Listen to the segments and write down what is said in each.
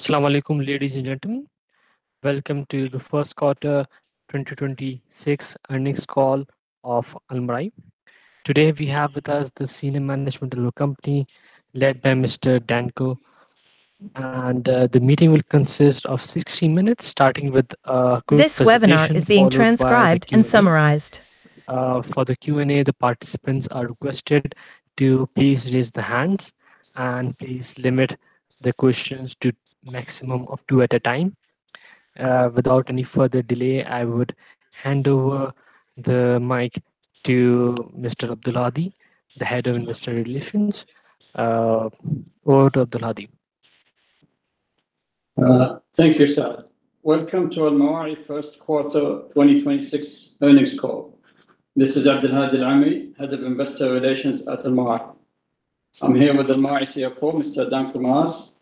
Assalamualaikum, ladies and gentlemen. Welcome to the first quarter 2026 earnings call of Almarai. Today we have with us the senior management of the company led by Mr. Danko. The meeting will consist of 60 minutes, starting with a group presentation followed by the Q&A. This webinar is being transcribed and summarized. For the Q&A, the participants are requested to please raise their hands and please limit the questions to maximum of two at a time. Without any further delay, I would hand over the mic to Mr. Abdulhadi Alamri, the Head of Investor Relations. Over to Abdulhadi Alamri. Thank you, Saad. Welcome to Almarai first quarter 2026 earnings call. This is Abdulhadi Alamri, Head of Investor Relations at Almarai. I'm here with Almarai CFO, Mr. Danko Maras,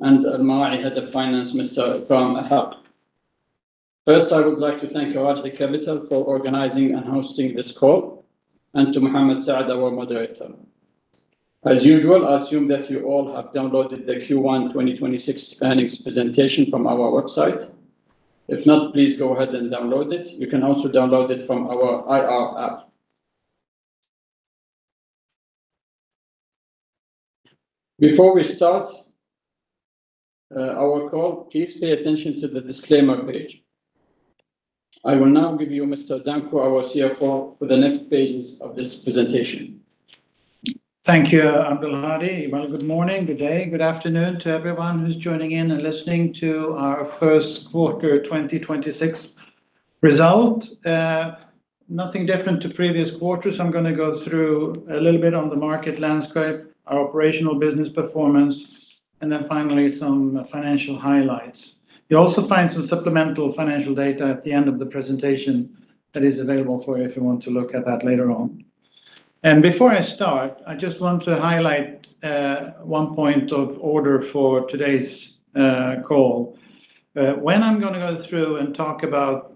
and Almarai Head of Finance, Mr. Ikram Ul Haque. First, I would like to thank Al Rajhi Capital for organizing and hosting this call and to Mohammed Saad, our moderator. As usual, I assume that you all have downloaded the Q1 2026 earnings presentation from our website. If not, please go ahead and download it. You can also download it from our IR app. Before we start our call, please pay attention to the disclaimer page. I will now give you Mr. Danko, our CFO, for the next pages of this presentation. Thank you, Abdulhadi. Well, good morning, good day, good afternoon to everyone who's joining in and listening to our first quarter 2026 result. Nothing different to previous quarters. I'm going to go through a little bit on the market landscape, our operational business performance, and then finally some financial highlights. You'll also find some supplemental financial data at the end of the presentation that is available for you if you want to look at that later on. Before I start, I just want to highlight one point of order for today's call. When I'm going to go through and talk about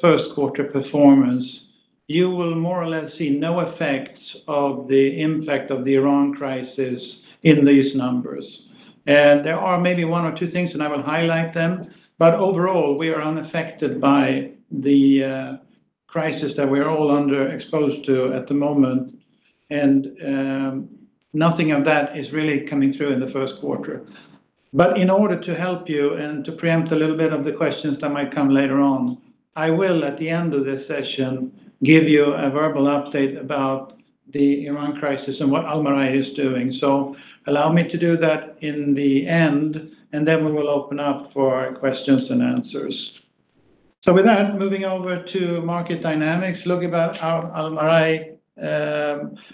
first quarter performance, you will more or less see no effects of the impact of the Iran crisis in these numbers. There are maybe one or two things, and I will highlight them, but overall, we are unaffected by the crisis that we're all underexposed to at the moment. Nothing of that is really coming through in the first quarter. In order to help you and to preempt a little bit of the questions that might come later on, I will, at the end of this session, give you a verbal update about the Iran crisis and what Almarai is doing. Allow me to do that in the end, and then we will open up for questions and answers. With that, moving over to market dynamics. Look at our Almarai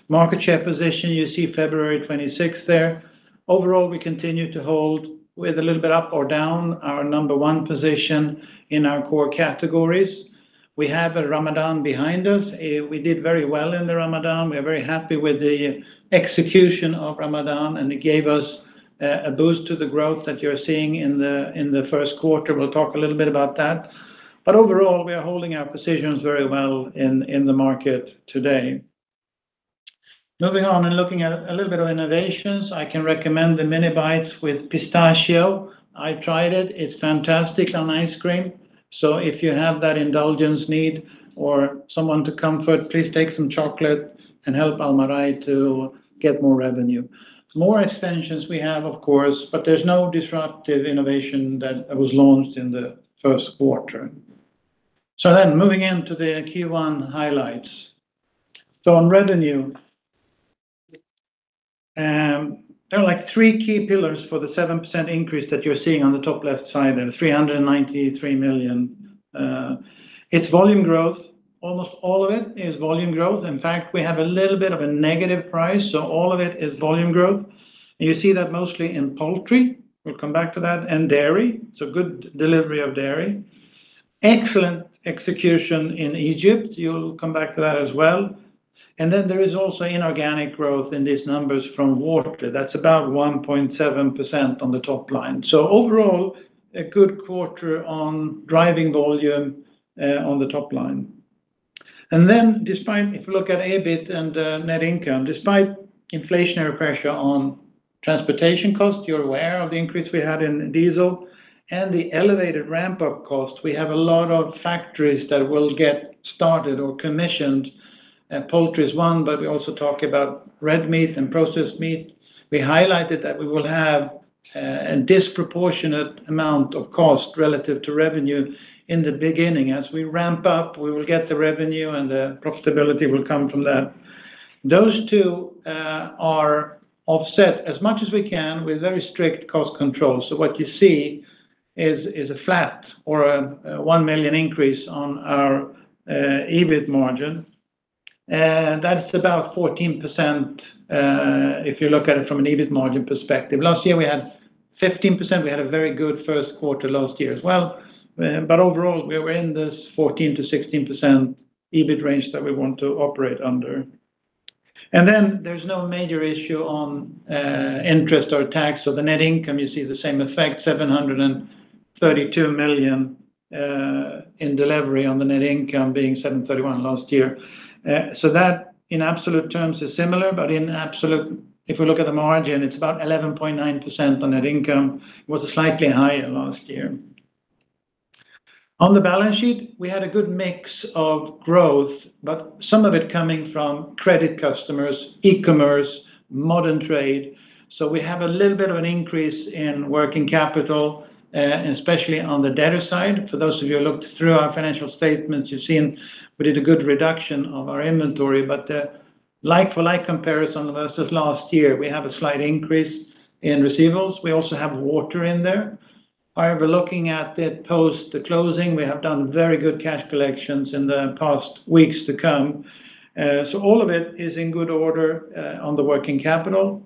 market share position. You see February 26th there. Overall, we continue to hold with a little bit up or down our number one position in our core categories. We have a Ramadan behind us. We did very well in the Ramadan. We are very happy with the execution of Ramadan, and it gave us a boost to the growth that you're seeing in the first quarter. We'll talk a little bit about that. Overall, we are holding our positions very well in the market today. Moving on and looking at a little bit of innovations. I can recommend the Mini Bites with pistachio. I tried it. It's fantastic on ice cream. If you have that indulgence need or someone to comfort, please take some chocolate and help Almarai to get more revenue. More extensions we have, of course, but there's no disruptive innovation that was launched in the first quarter. Moving into the Q1 highlights. On revenue, there are three key pillars for the 7% increase that you're seeing on the top left side there, the 393 million. It's volume growth. Almost all of it is volume growth. In fact, we have a little bit of a negative price, so all of it is volume growth. You see that mostly in poultry. We'll come back to that. Dairy. Good delivery of dairy. Excellent execution in Egypt. You'll come back to that as well. There is also inorganic growth in these numbers from water. That's about 1.7% on the top line. Overall, a good quarter on driving volume on the top line. Despite, if you look at EBIT and net income, despite inflationary pressure on transportation cost, you're aware of the increase we had in diesel and the elevated ramp-up cost. We have a lot of factories that will get started or commissioned, and poultry is one, but we also talk about red meat and processed meat. We highlighted that we will have a disproportionate amount of cost relative to revenue in the beginning. As we ramp up, we will get the revenue and the profitability will come from that. Those two are offset as much as we can with very strict cost control. What you see is a flat or a 1 million increase on our EBIT margin. That's about 14% if you look at it from an EBIT margin perspective. Last year, we had 15%. We had a very good first quarter last year as well. Overall, we were in this 14%-16% EBIT range that we want to operate under. Then there's no major issue on interest or tax. The net income, you see the same effect, 743 million delivered on the net income being 731 million last year. That in absolute terms is similar, but if we look at the margin, it's about 11.9% on net income was slightly higher last year. On the balance sheet, we had a good mix of growth, but some of it coming from credit customers, e-commerce, modern trade. We have a little bit of an increase in working capital, especially on the debtor side. For those of you who looked through our financial statements, you've seen we did a good reduction of our inventory, but the like-for-like comparison versus last year, we have a slight increase in receivables. We also have Water in there. However, looking at it post the closing, we have done very good cash collections in the past weeks to come. All of it is in good order on the working capital.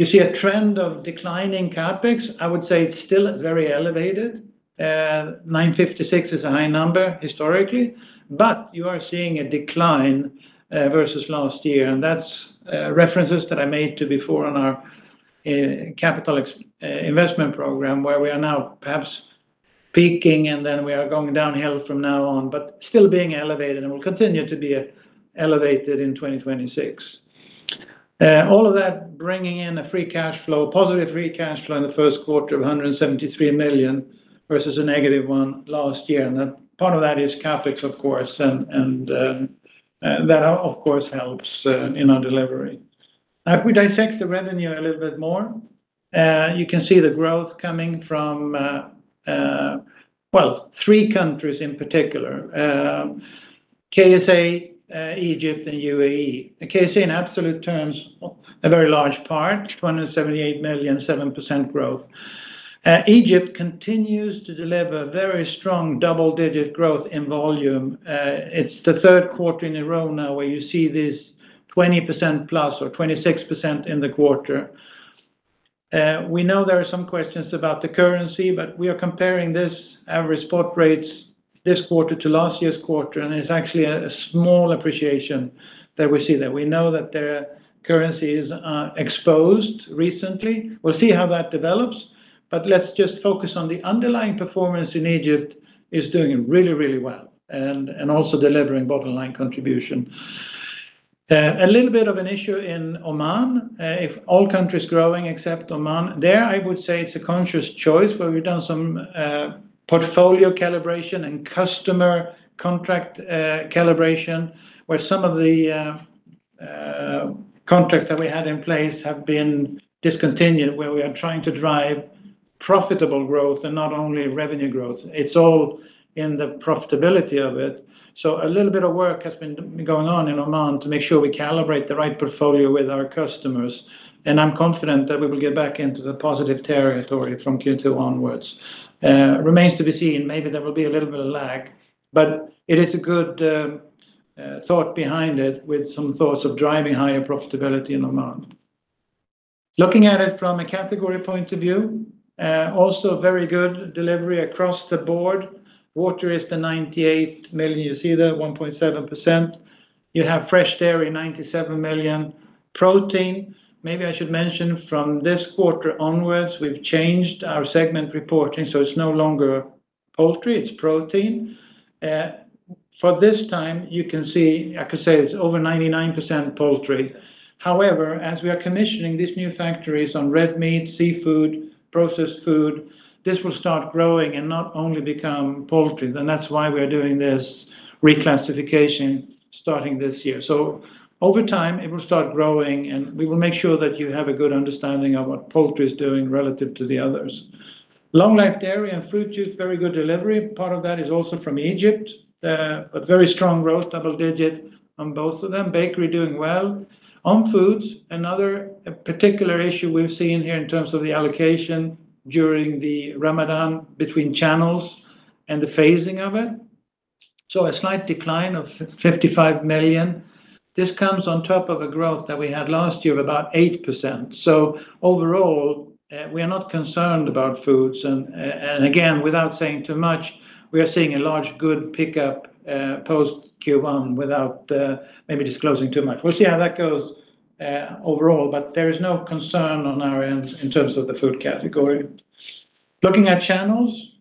You see a trend of decline in CapEx. I would say it's still very elevated. 956 million is a high number historically, but you are seeing a decline versus last year, and that's references that I made to before on our capital investment program where we are now perhaps peaking and then we are going downhill from now on, but still being elevated and will continue to be elevated in 2026. All of that bringing in a positive free cash flow in the first quarter of 173 million versus a negative one last year. Part of that is CapEx, of course, and that of course helps in our delivery. If we dissect the revenue a little bit more, you can see the growth coming from three countries in particular, KSA, Egypt, and UAE. The KSA, in absolute terms, a very large part, 278 million, 7% growth. Egypt continues to deliver very strong double-digit growth in volume. It's the third quarter in a row now where you see this 20% plus or 26% in the quarter. We know there are some questions about the currency, but we are comparing this average spot rates this quarter to last year's quarter, and it's actually a small appreciation that we see there. We know that their currencies are exposed recently. We'll see how that develops, but let's just focus on the underlying performance. In Egypt, it's doing really well and also delivering bottom-line contribution. A little bit of an issue in Oman, with all countries growing except Oman. There, I would say it's a conscious choice where we've done some portfolio calibration and customer contract calibration, where some of the contracts that we had in place have been discontinued, where we are trying to drive profitable growth and not only revenue growth. It's all in the profitability of it. A little bit of work has been going on in Oman to make sure we calibrate the right portfolio with our customers, and I'm confident that we will get back into the positive territory from Q2 onwards. Remains to be seen, maybe there will be a little bit of lag. It is a good thought behind it with some thoughts of driving higher profitability in Oman. Looking at it from a category point of view, also very good delivery across the board. Water is the 98 million you see there, 1.7%. You have Fresh Dairy, 97 million. Protein, maybe I should mention from this quarter onwards, we've changed our segment reporting, so it's no longer poultry, it's Protein. For this time, you can see, I could say it's over 99% poultry. However, as we are commissioning these new factories on red meat, seafood, processed meat, this will start growing and not only become poultry. That's why we are doing this reclassification starting this year. Over time it will start growing, and we will make sure that you have a good understanding of what Poultry is doing relative to the others. Long-Life Dairy and Fruit Juice, very good delivery. Part of that is also from Egypt, but very strong growth, double-digit on both of them. Bakery doing well. On Foods, another particular issue we've seen here in terms of the allocation during Ramadan between channels and the phasing of it. A slight decline of 55 million. This comes on top of a growth that we had last year of about 8%. Overall, we are not concerned about Foods, and again, without saying too much, we are seeing a large good pickup post Q1 without maybe disclosing too much. We'll see how that goes overall, but there is no concern on our end in terms of the Food category. Looking at channels,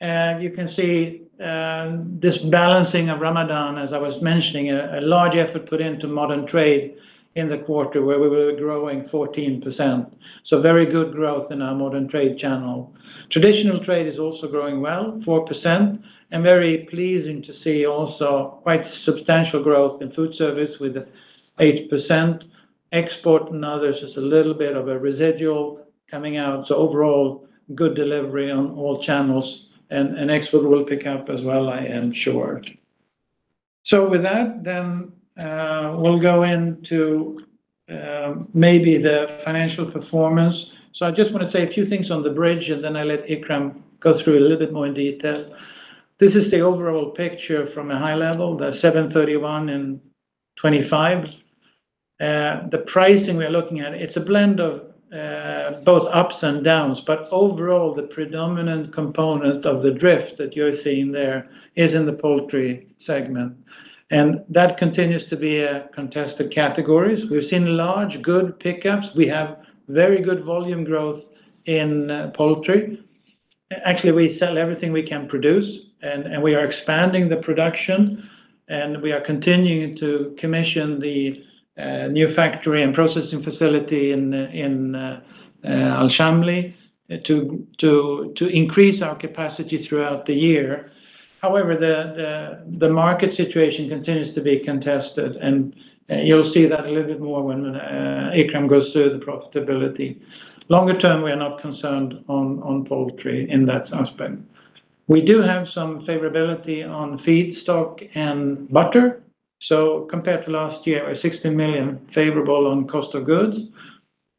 you can see this balancing of Ramadan, as I was mentioning, a large effort put into modern trade in the quarter where we were growing 14%. Very good growth in our modern trade channel. Traditional trade is also growing well, 4%, and very pleasing to see also quite substantial growth in food service with 8%. Export and others is a little bit of a residual coming out. Overall, good delivery on all channels, and export will pick up as well, I am sure. With that then, we'll go into maybe the financial performance. I just want to say a few things on the bridge, and then I'll let Ikram go through a little bit more in detail. This is the overall picture from a high level, the 7.31% and 25%. The pricing we are looking at, it's a blend of both ups and downs, but overall, the predominant component of the drift that you're seeing there is in the poultry segment. That continues to be a contested category. We've seen large good pickups. We have very good volume growth in poultry. Actually, we sell everything we can produce, and we are expanding the production, and we are continuing to commission the new factory and processing facility in Al Shamli to increase our capacity throughout the year. However, the market situation continues to be contested, and you'll see that a little bit more when Ikram goes through the profitability. Longer term, we are not concerned on poultry in that aspect. We do have some favorability on feedstock and butter. Compared to last year, 16 million favorable on cost of goods.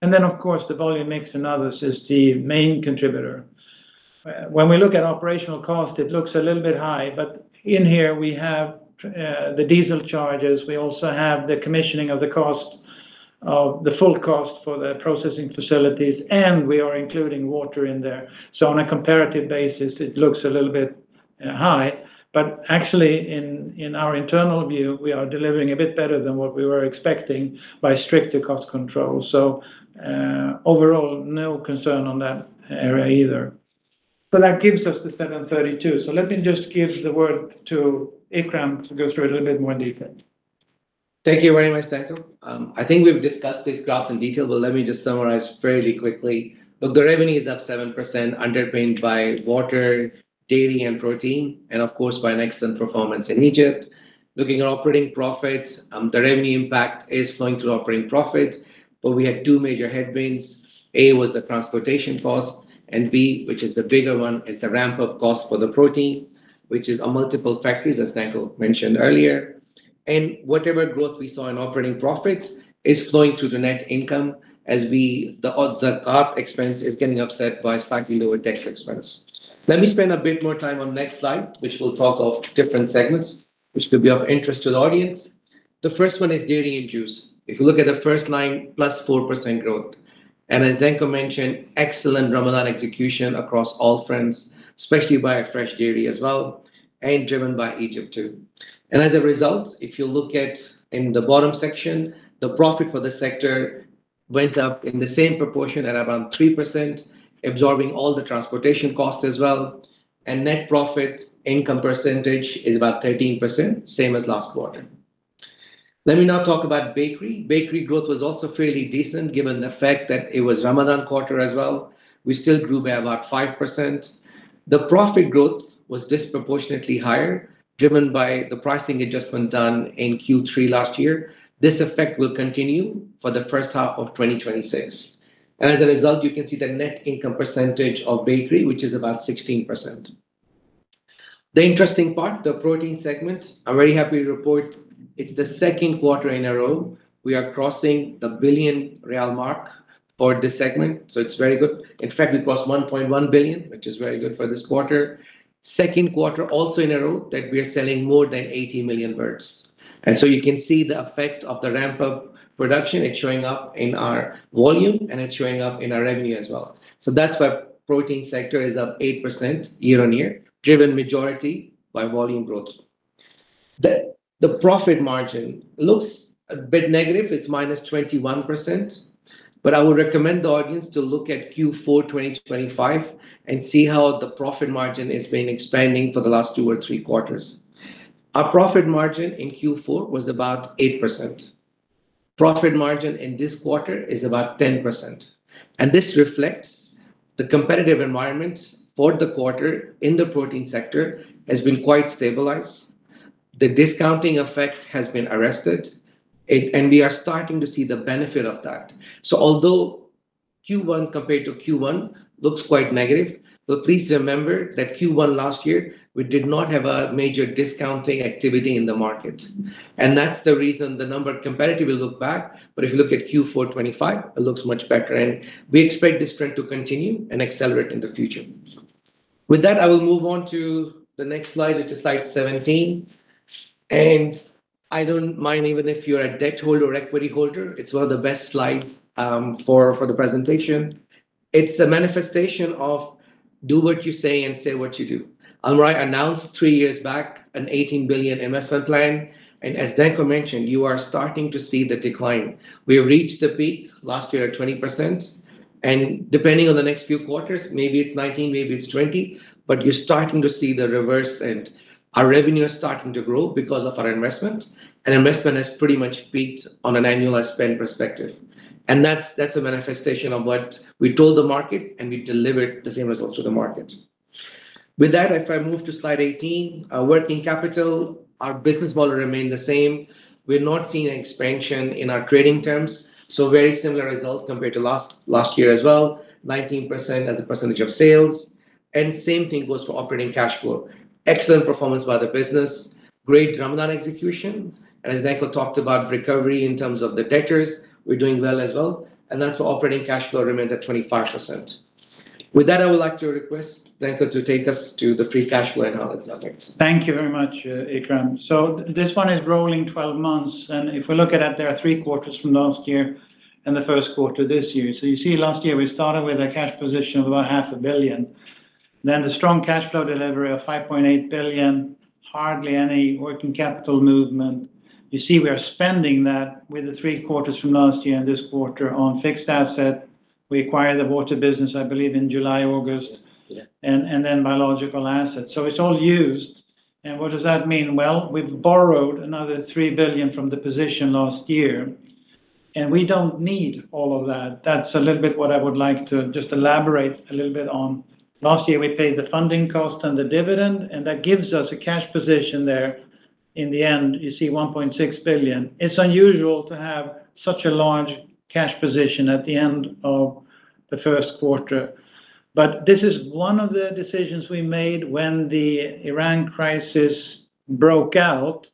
Of course, the volume mix and others is the main contributor. When we look at operational cost, it looks a little bit high, but in here we have the diesel charges. We also have the commissioning of the cost of the full cost for the processing facilities, and we are including water in there. On a comparative basis, it looks a little bit high, but actually in our internal view, we are delivering a bit better than what we were expecting by stricter cost control. Overall, no concern on that area either. That gives us the 732. Let me just give the word to Ikram to go through a little bit more in depth. Thank you very much, Danko. I think we've discussed these graphs in detail, but let me just summarize fairly quickly. Look, the revenue is up 7% underpinned by water, dairy, and protein, and of course, by an excellent performance in Egypt. Looking at operating profit, the revenue impact is flowing through operating profit. We had two major headwinds. A was the transportation cost, and B, which is the bigger one, is the ramp-up cost for the protein, which is on multiple factors, as Danko mentioned earlier. Whatever growth we saw in operating profit is flowing through the net income as the Zakat expense is getting offset by slightly lower tax expense. Let me spend a bit more time on next slide, which will talk of different segments which could be of interest to the audience. The first one is dairy and juice. If you look at the first line, plus 4% growth. As Danko mentioned, excellent Ramadan execution across all fronts, especially by our Fresh Dairy as well, and driven by Egypt, too. As a result, if you look at in the bottom section, the profit for the sector went up in the same proportion at around 3%, absorbing all the transportation cost as well. Net profit income percentage is about 13%, same as last quarter. Let me now talk about Bakery. Bakery growth was also fairly decent given the fact that it was Ramadan quarter as well. We still grew by about 5%. The profit growth was disproportionately higher, driven by the pricing adjustment done in Q3 last year. This effect will continue for the first half of 2026, and as a result, you can see the net income percentage of Bakery, which is about 16%. The interesting part, the Protein segment, I'm very happy to report it's the second quarter in a row we are crossing the SAR 1 billion mark for this segment. It's very good. In fact, we crossed 1.1 billion, which is very good for this quarter. Second quarter also in a row that we are selling more than 80 million birds. You can see the effect of the ramp-up production. It's showing up in our volume, and it's showing up in our revenue as well. That's why Protein sector is up 8% year-on-year, driven majority by volume growth. The profit margin looks a bit negative. It's -21%, but I would recommend the audience to look at Q4 2025 and see how the profit margin has been expanding for the last two or three quarters. Our profit margin in Q4 was about 8%. Profit margin in this quarter is about 10%, and this reflects the competitive environment for the quarter in the protein sector has been quite stabilized. The discounting effect has been arrested, and we are starting to see the benefit of that. Although Q1 compared to Q1 looks quite negative, please remember that Q1 last year, we did not have a major discounting activity in the market, and that's the reason the number comparatively looks bad. If you look at Q4 2025, it looks much better, and we expect this trend to continue and accelerate in the future. With that, I will move on to the next slide, which is slide 17. I don't mind even if you're a debt holder or equity holder, it's one of the best slides for the presentation. It's a manifestation of do what you say and say what you do. Al Rajhi announced three years back a 18 billion investment plan, and as Danko mentioned, you are starting to see the decline. We have reached the peak last year at 20%, and depending on the next few quarters, maybe it's 19%, maybe it's 20%, but you're starting to see the reverse. Our revenue is starting to grow because of our investment, and investment has pretty much peaked on an annualized spend perspective, and that's a manifestation of what we told the market, and we delivered the same results to the market. With that, if I move to slide 18, our working capital, our business model remained the same. We're not seeing an expansion in our trading terms. Very similar results compared to last year as well, 19% as a percentage of sales. Same thing goes for operating cash flow. Excellent performance by the business, great Ramadan execution. As Danko talked about recovery in terms of the debtors, we're doing well as well. That's why operating cash flow remains at 25%. With that, I would like to request Danko to take us to the free cash flow and all its updates. Thank you very much, Ikram. This one is rolling 12 months, and if we look at it, there are three quarters from last year and the first quarter this year. You see last year we started with a cash position of about SAR half a billion. The strong cash flow delivery of 5.8 billion. Hardly any working capital movement. You see we are spending that with the three quarters from last year and this quarter on fixed asset. We acquired the water business, I believe, in July, August. Yeah. Biological assets. It's all used. What does that mean? Well, we've borrowed another $3 billion from the position last year, and we don't need all of that. That's a little bit what I would like to just elaborate a little bit on. Last year, we paid the funding cost and the dividend, and that gives us a cash position there. In the end, you see $1.6 billion. It's unusual to have such a large cash position at the end of the first quarter. This is one of the decisions we made when the Iran crisis broke out.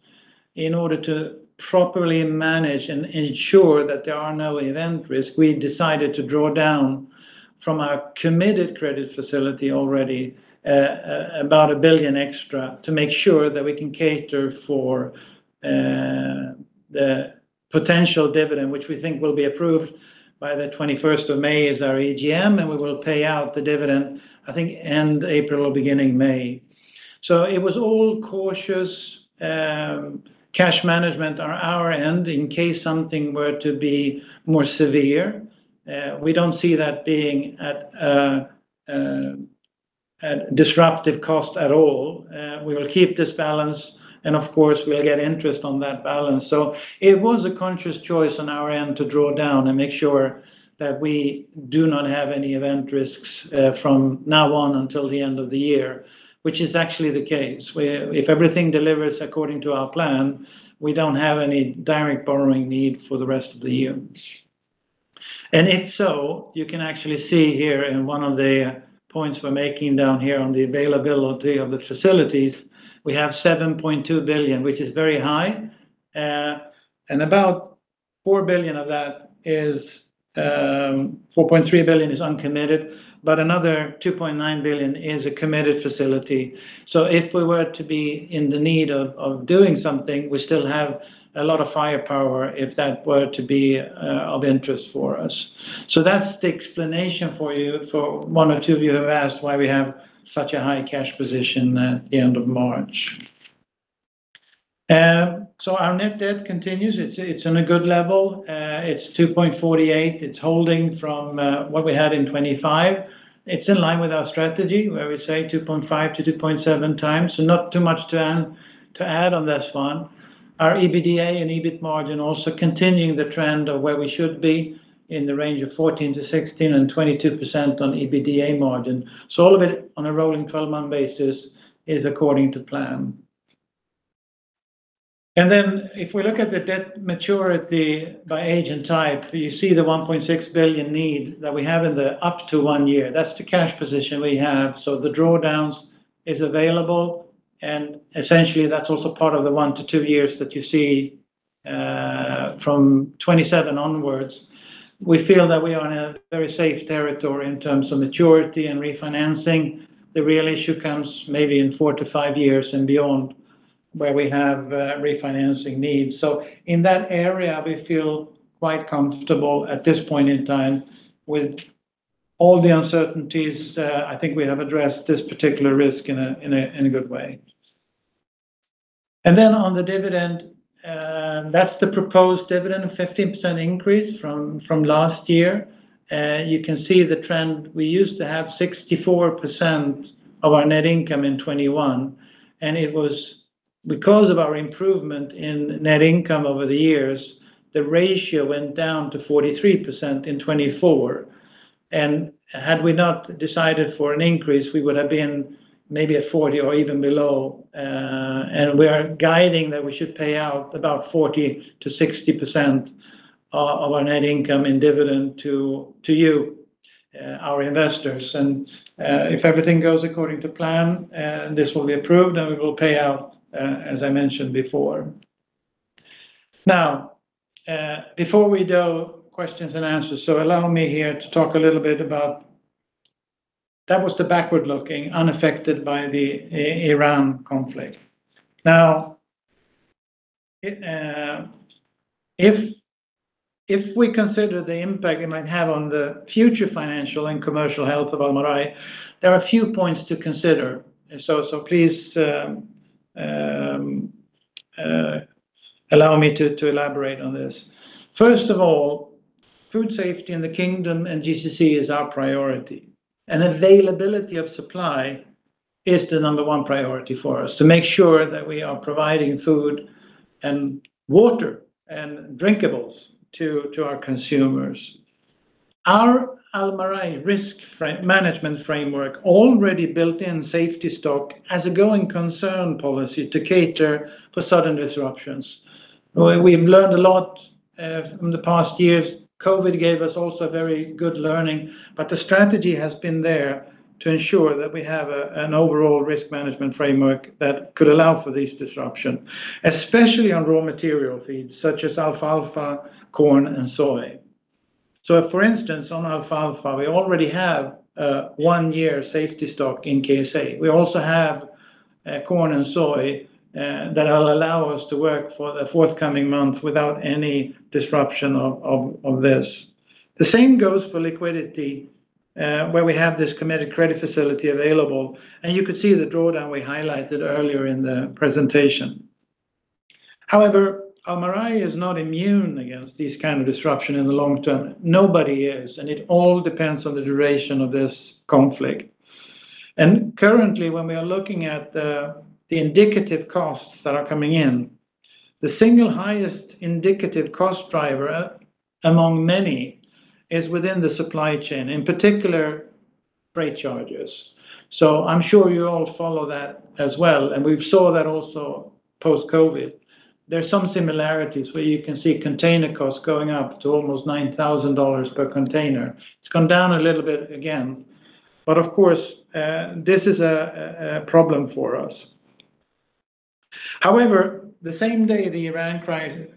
In order to properly manage and ensure that there are no event risks, we decided to draw down from our committed credit facility already, about 1 billion extra, to make sure that we can cater for the potential dividend, which we think will be approved by the 21st of May, which is our AGM, and we will pay out the dividend, I think, end April, beginning May. It was all cautious cash management on our end in case something were to be more severe. We don't see that being a disruptive cost at all. We will keep this balance, and of course, we'll get interest on that balance. It was a conscious choice on our end to draw down and make sure that we do not have any event risks from now on until the end of the year, which is actually the case. If everything delivers according to our plan, we don't have any direct borrowing need for the rest of the year. If so, you can actually see here in one of the points we're making down here on the availability of the facilities, we have $7.2 billion, which is very high. About $4 billion of that is, $4.3 billion is uncommitted, but another $2.9 billion is a committed facility. If we were to be in the need of doing something, we still have a lot of firepower if that were to be of interest for us. That's the explanation for you for one or two of you who have asked why we have such a high cash position at the end of March. Our net debt continues. It's on a good level. It's 2.48. It's holding from what we had in 2025. It's in line with our strategy, where we say 2.5-2.7 times. Not too much to add on this one. Our EBITDA and EBIT margin also continuing the trend of where we should be in the range of 14%-16% and 22% on EBITDA margin. All of it on a rolling 12-month basis is according to plan. If we look at the debt maturity by age and type, you see the $1.6 billion need that we have in the up to 1 year. That's the cash position we have. The drawdowns is available, and essentially that's also part of the 1-2 years that you see from 2027 onwards. We feel that we are in a very safe territory in terms of maturity and refinancing. The real issue comes maybe in 4-5 years and beyond, where we have refinancing needs. In that area, we feel quite comfortable at this point in time with all the uncertainties. I think we have addressed this particular risk in a good way. On the dividend, that's the proposed dividend, a 15% increase from last year. You can see the trend. We used to have 64% of our net income in 2021, and it was because of our improvement in net income over the years, the ratio went down to 43% in 2024. Had we not decided for an increase, we would have been maybe at 40% or even below. We are guiding that we should pay out about 40%-60% of our net income in dividend to you, our investors. If everything goes according to plan, this will be approved, and we will pay out, as I mentioned before. Now, before we go questions and answers, allow me here to talk a little bit about. That was the backward-looking, unaffected by the Iran conflict. Now, if we consider the impact it might have on the future financial and commercial health of Almarai, there are a few points to consider. Please allow me to elaborate on this. First of all, food safety in the kingdom and GCC is our priority. Availability of supply is the number one priority for us to make sure that we are providing food and water and drinkables to our consumers. Our Almarai risk management framework already built in safety stock as a going concern policy to cater for sudden disruptions. We've learned a lot from the past years. COVID gave us also very good learning, but the strategy has been there to ensure that we have an overall risk management framework that could allow for this disruption, especially on raw material feeds such as alfalfa, corn, and soy. For instance, on alfalfa, we already have a one-year safety stock in KSA. We also have corn and soy that will allow us to work for the forthcoming months without any disruption of this. The same goes for liquidity. Where we have this committed credit facility available, and you could see the drawdown we highlighted earlier in the presentation. However, Almarai is not immune against these kind of disruption in the long term. Nobody is, and it all depends on the duration of this conflict. Currently, when we are looking at the indicative costs that are coming in, the single highest indicative cost driver among many is within the supply chain, in particular freight charges. I'm sure you all follow that as well. We've seen that also post-COVID. There's some similarities where you can see container costs going up to almost $9,000 per container. It's come down a little bit again, but of course, this is a problem for us. However, the same day the Iran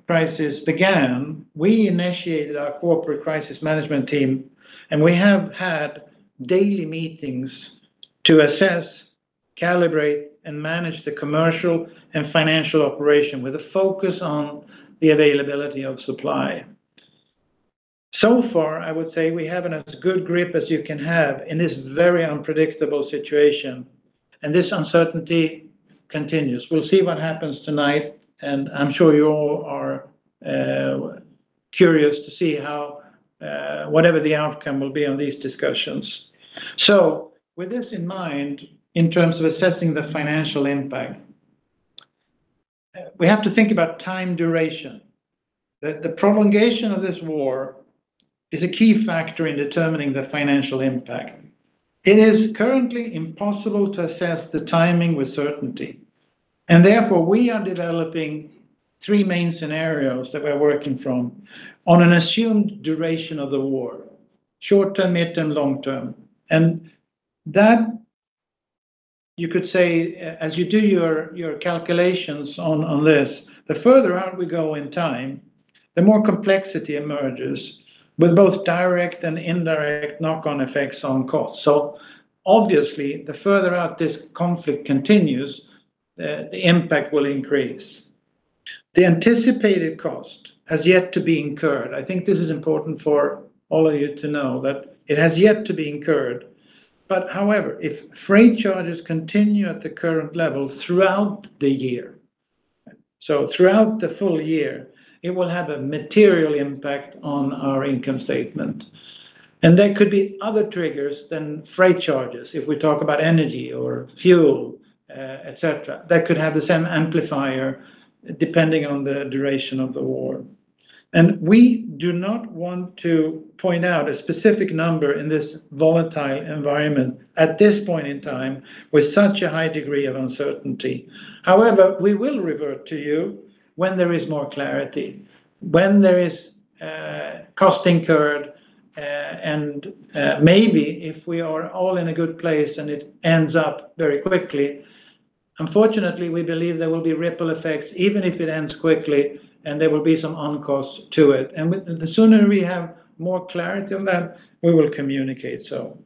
crisis began, we initiated our corporate crisis management team, and we have had daily meetings to assess, calibrate, and manage the commercial and financial operation with a focus on the availability of supply. So far, I would say we have as good a grip as you can have in this very unpredictable situation, and this uncertainty continues. We'll see what happens tonight, and I'm sure you all are curious to see whatever the outcome will be on these discussions. With this in mind, in terms of assessing the financial impact, we have to think about time duration, that the prolongation of this war is a key factor in determining the financial impact. It is currently impossible to assess the timing with certainty, and therefore we are developing three main scenarios that we're working from on an assumed duration of the war, short-term, mid-term, long-term. That you could say, as you do your calculations on this, the further out we go in time, the more complexity emerges with both direct and indirect knock-on effects on costs. Obviously, the further out this conflict continues, the impact will increase. The anticipated cost has yet to be incurred. I think this is important for all of you to know that it has yet to be incurred. However, if freight charges continue at the current level throughout the year, it will have a material impact on our income statement. There could be other triggers than freight charges if we talk about energy or fuel, et cetera, that could have the same amplifier depending on the duration of the war. We do not want to point out a specific number in this volatile environment at this point in time with such a high degree of uncertainty. However, we will revert to you when there is more clarity, when there is cost incurred, and maybe if we are all in a good place and it ends up very quickly. Unfortunately, we believe there will be ripple effects even if it ends quickly, and there will be some on-cost to it. The sooner we have more clarity on that, we will communicate so.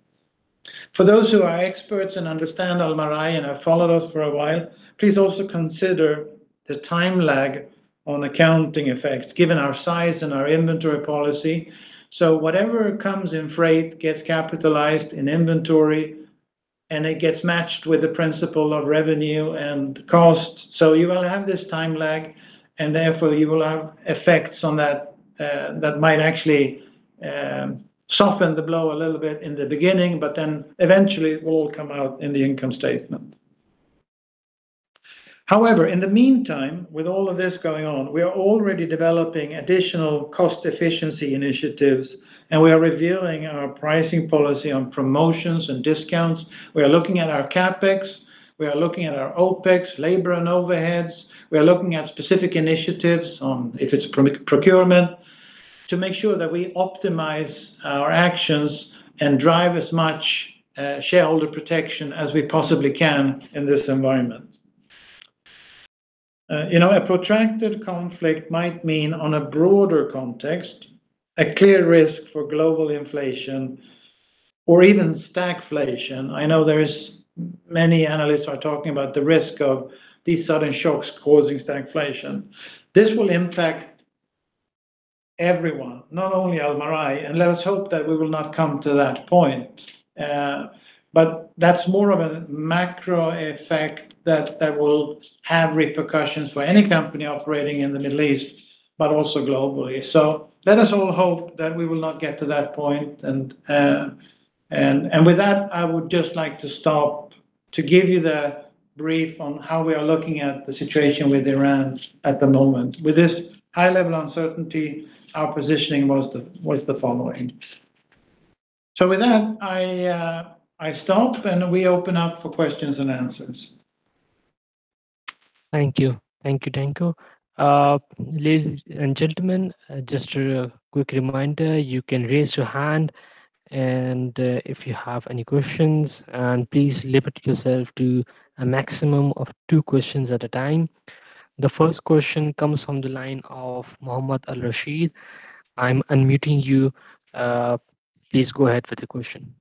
For those who are experts and understand Almarai and have followed us for a while, please also consider the time lag on accounting effects given our size and our inventory policy. Whatever comes in freight gets capitalized in inventory, and it gets matched with the principle of revenue and cost. You will have this time lag, and therefore you will have effects on that that might actually soften the blow a little bit in the beginning, but then eventually it will all come out in the income statement. However, in the meantime, with all of this going on, we are already developing additional cost efficiency initiatives, and we are reviewing our pricing policy on promotions and discounts. We are looking at our CapEx, we are looking at our OpEx, labor and overheads. We are looking at specific initiatives on procurement to make sure that we optimize our actions and drive as much shareholder protection as we possibly can in this environment. A protracted conflict might mean, in a broader context, a clear risk for global inflation or even stagflation. I know many analysts are talking about the risk of these sudden shocks causing stagflation. This will impact everyone, not only Almarai, and let us hope that we will not come to that point. That's more of a macro effect that will have repercussions for any company operating in the Middle East, but also globally. Let us all hope that we will not get to that point. With that, I would just like to stop to give you the brief on how we are looking at the situation with Iran at the moment. With this high level uncertainty, our positioning was the following. With that, I stop, and we open up for questions and answers. Thank you. Thank you, Danko. Ladies and gentlemen, just a quick reminder, you can raise your hand, and if you have any questions, and please limit yourself to a maximum of two questions at a time. The first question comes from the line of Mohammed Al Rasheed. I'm unmuting you. Please go ahead with the question.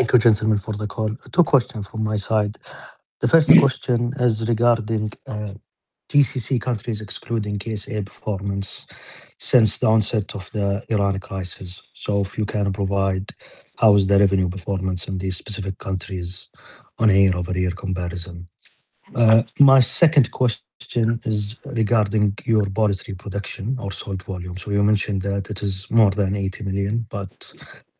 Thank you, gentlemen, for the call. Two questions from my side. The first question is regarding GCC countries excluding KSA performance since the onset of the Iran crisis. If you can provide how is the revenue performance in these specific countries on a year-over-year comparison? My second question is regarding your poultry production or sold volume. You mentioned that it is more than 80 million, but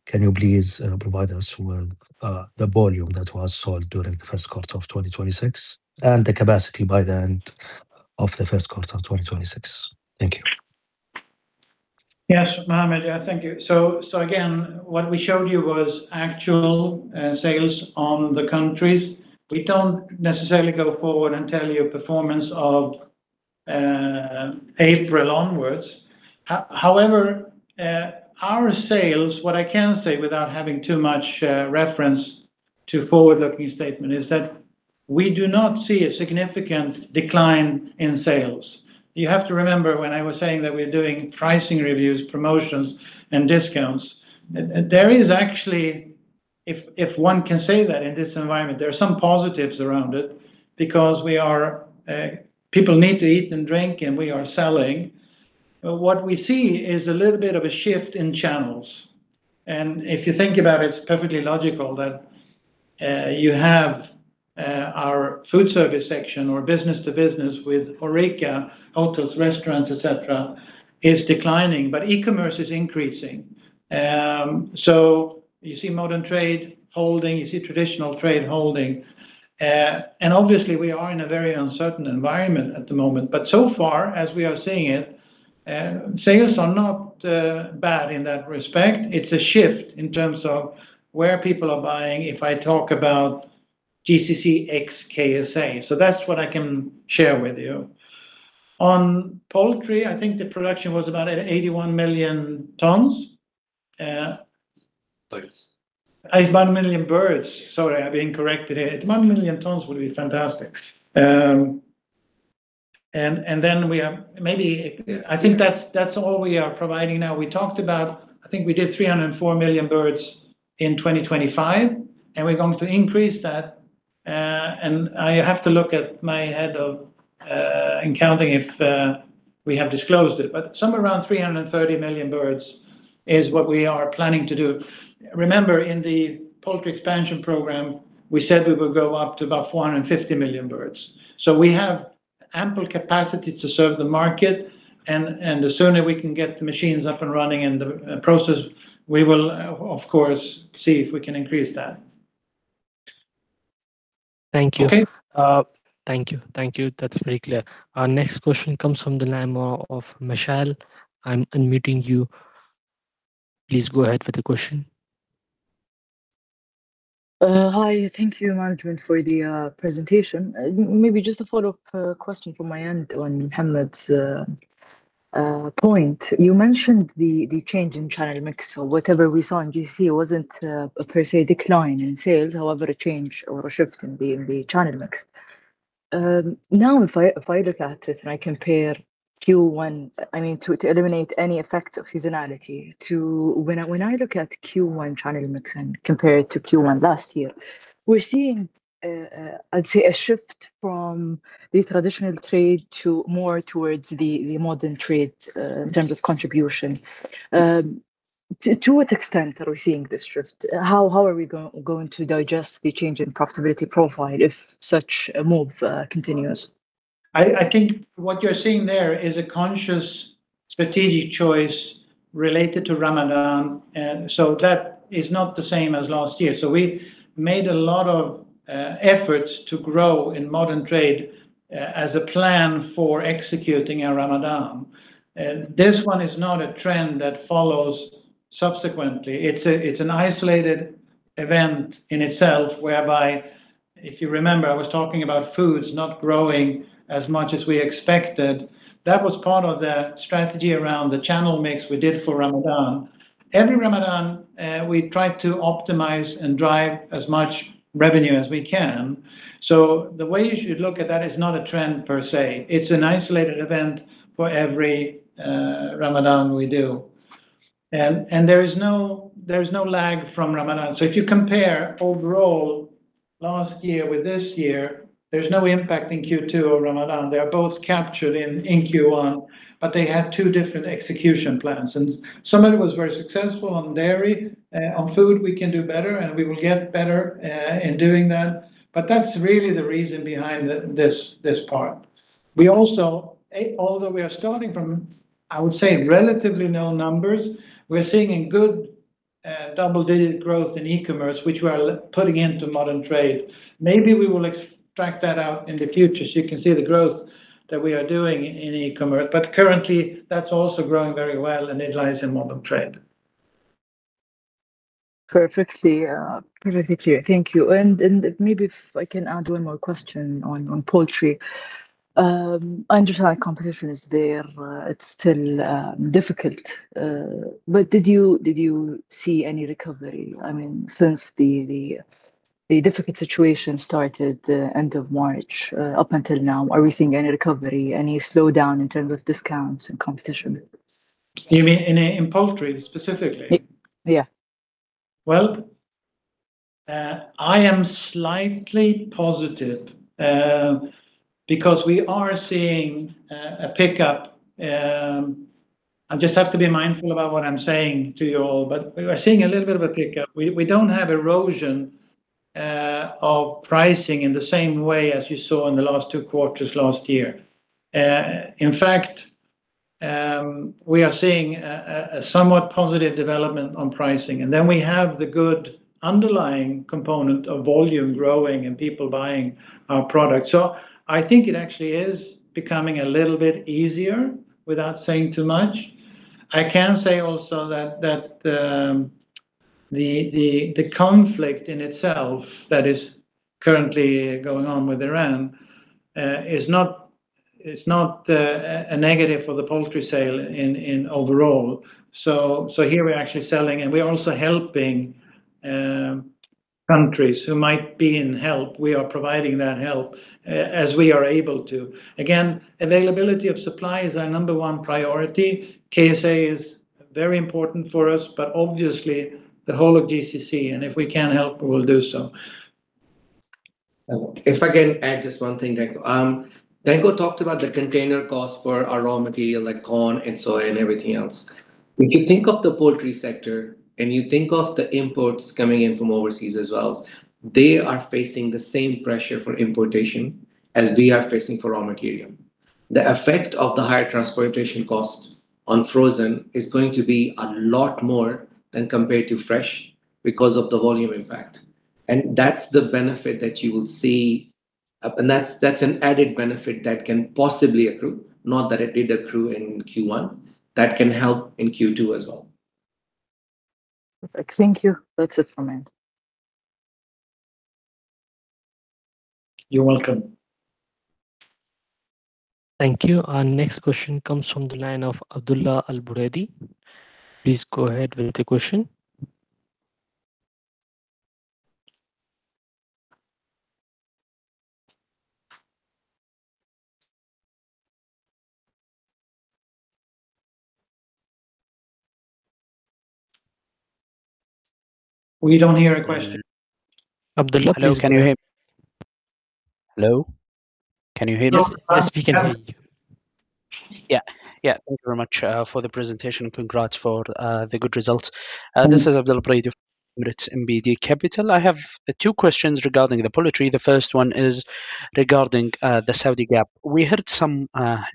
can you please provide us with the volume that was sold during the first quarter of 2026 and the capacity by the end of the first quarter of 2026? Thank you. Yes, Mohammed. Thank you. Again, what we showed you was actual sales in the countries. We don't necessarily go forward and tell you the performance of April onwards. However, our sales, what I can say without having too much reference to forward-looking statement is that we do not see a significant decline in sales. You have to remember when I was saying that we're doing pricing reviews, promotions, and discounts, there is actually, if one can say that in this environment, there are some positives around it because people need to eat and drink, and we are selling. What we see is a little bit of a shift in channels. If you think about it's perfectly logical that you have our food service section or business to business with HoReCa, hotels, restaurants, et cetera, is declining, but e-commerce is increasing. You see modern trade holding, you see traditional trade holding. Obviously, we are in a very uncertain environment at the moment. So far, as we are seeing it, sales are not bad in that respect. It's a shift in terms of where people are buying, if I talk about GCC ex-KSA. That's what I can share with you. On poultry, I think the production was about at 81 million tons. Birds. 81 million birds. Sorry, I've been corrected. 81 million tons would be fantastic. I think that's all we are providing now. We talked about, I think we did 304 million birds in 2025, and we're going to increase that. I have to look at my head of accounting if we have disclosed it. Somewhere around 330 million birds is what we are planning to do. Remember, in the poultry expansion program, we said we would go up to about 450 million birds. We have ample capacity to serve the market, and the sooner we can get the machines up and running and the process, we will of course see if we can increase that. Thank you. Okay. Thank you. Thank you. That's very clear. Our next question comes from the line of Mishaal. I'm unmuting you. Please go ahead with the question. Hi. Thank you, management, for the presentation. Maybe just a follow-up question from my end on Mohammed's point. You mentioned the change in channel mix. Whatever we saw in GCC wasn't a per se decline in sales, however, a change or a shift in the channel mix. Now, if I look at it and I compare Q1 to eliminate any effect of seasonality, when I look at Q1 channel mix and compare it to Q1 last year, we're seeing, I'd say, a shift from the traditional trade to more towards the modern trade, in terms of contribution. To what extent are we seeing this shift? How are we going to digest the change in profitability profile if such a move continues? I think what you're seeing there is a conscious strategic choice related to Ramadan, and that is not the same as last year. We made a lot of efforts to grow in modern trade as a plan for executing our Ramadan. This one is not a trend that follows subsequently. It's an isolated event in itself, whereby if you remember, I was talking about Foods not growing as much as we expected. That was part of the strategy around the channel mix we did for Ramadan. Every Ramadan, we try to optimize and drive as much revenue as we can. The way you should look at that, it's not a trend per se. It's an isolated event for every Ramadan we do. There is no lag from Ramadan. If you compare overall last year with this year, there's no impact in Q2 or Ramadan. They are both captured in Q1, but they had two different execution plans, and some of it was very successful on dairy. On food, we can do better, and we will get better in doing that. That's really the reason behind this part. Although we are starting from, I would say, relatively low numbers, we're seeing a good double-digit growth in e-commerce, which we are putting into modern trade. Maybe we will track that out in the future so you can see the growth that we are doing in e-commerce. Currently, that's also growing very well, and it lies in modern trade. Perfectly clear. Thank you. Maybe if I can add one more question on poultry. I understand competition is there. It's still difficult. But did you see any recovery? Since the difficult situation started the end of March up until now, are we seeing any recovery? Any slowdown in terms of discounts and competition? You mean in poultry specifically? Yeah. Well, I am slightly positive because we are seeing a pickup. I just have to be mindful about what I'm saying to you all, but we are seeing a little bit of a pickup. We don't have erosion of pricing in the same way as you saw in the last two quarters last year. In fact, we are seeing a somewhat positive development on pricing, and then we have the good underlying component of volume growing and people buying our product. I think it actually is becoming a little bit easier, without saying too much. I can say also that the conflict in itself that is currently going on with Iran is not a negative for the poultry sale overall. Here we're actually selling, and we're also helping countries who might be in help. We are providing that help as we are able to. Availability of supply is our number one priority. KSA is very important for us, but obviously the whole of GCC, and if we can help, we will do so. If I can add just one thing, Danko. Danko talked about the container costs for our raw material, like corn and soy and everything else. If you think of the poultry sector and you think of the imports coming in from overseas as well, they are facing the same pressure for importation as we are facing for raw material. The effect of the higher transportation cost on frozen is going to be a lot more than compared to fresh because of the volume impact. That's the benefit that you will see, and that's an added benefit that can possibly accrue, not that it did accrue in Q1, that can help in Q2 as well. Perfect. Thank you. That's it from me. You're welcome. Thank you. Our next question comes from the line of Abdullah Al Buraidi. Please go ahead with the question. We don't hear a question. Abdullah, can you hear? Hello? Can you hear us? Yes, we can hear you. Yeah. Thank you very much for the presentation. Congrats for the good results. This is Abdullah Al-Buraidi from Emirates NBD. I have two questions regarding the poultry. The first one is regarding the Saudi GAAP. We heard some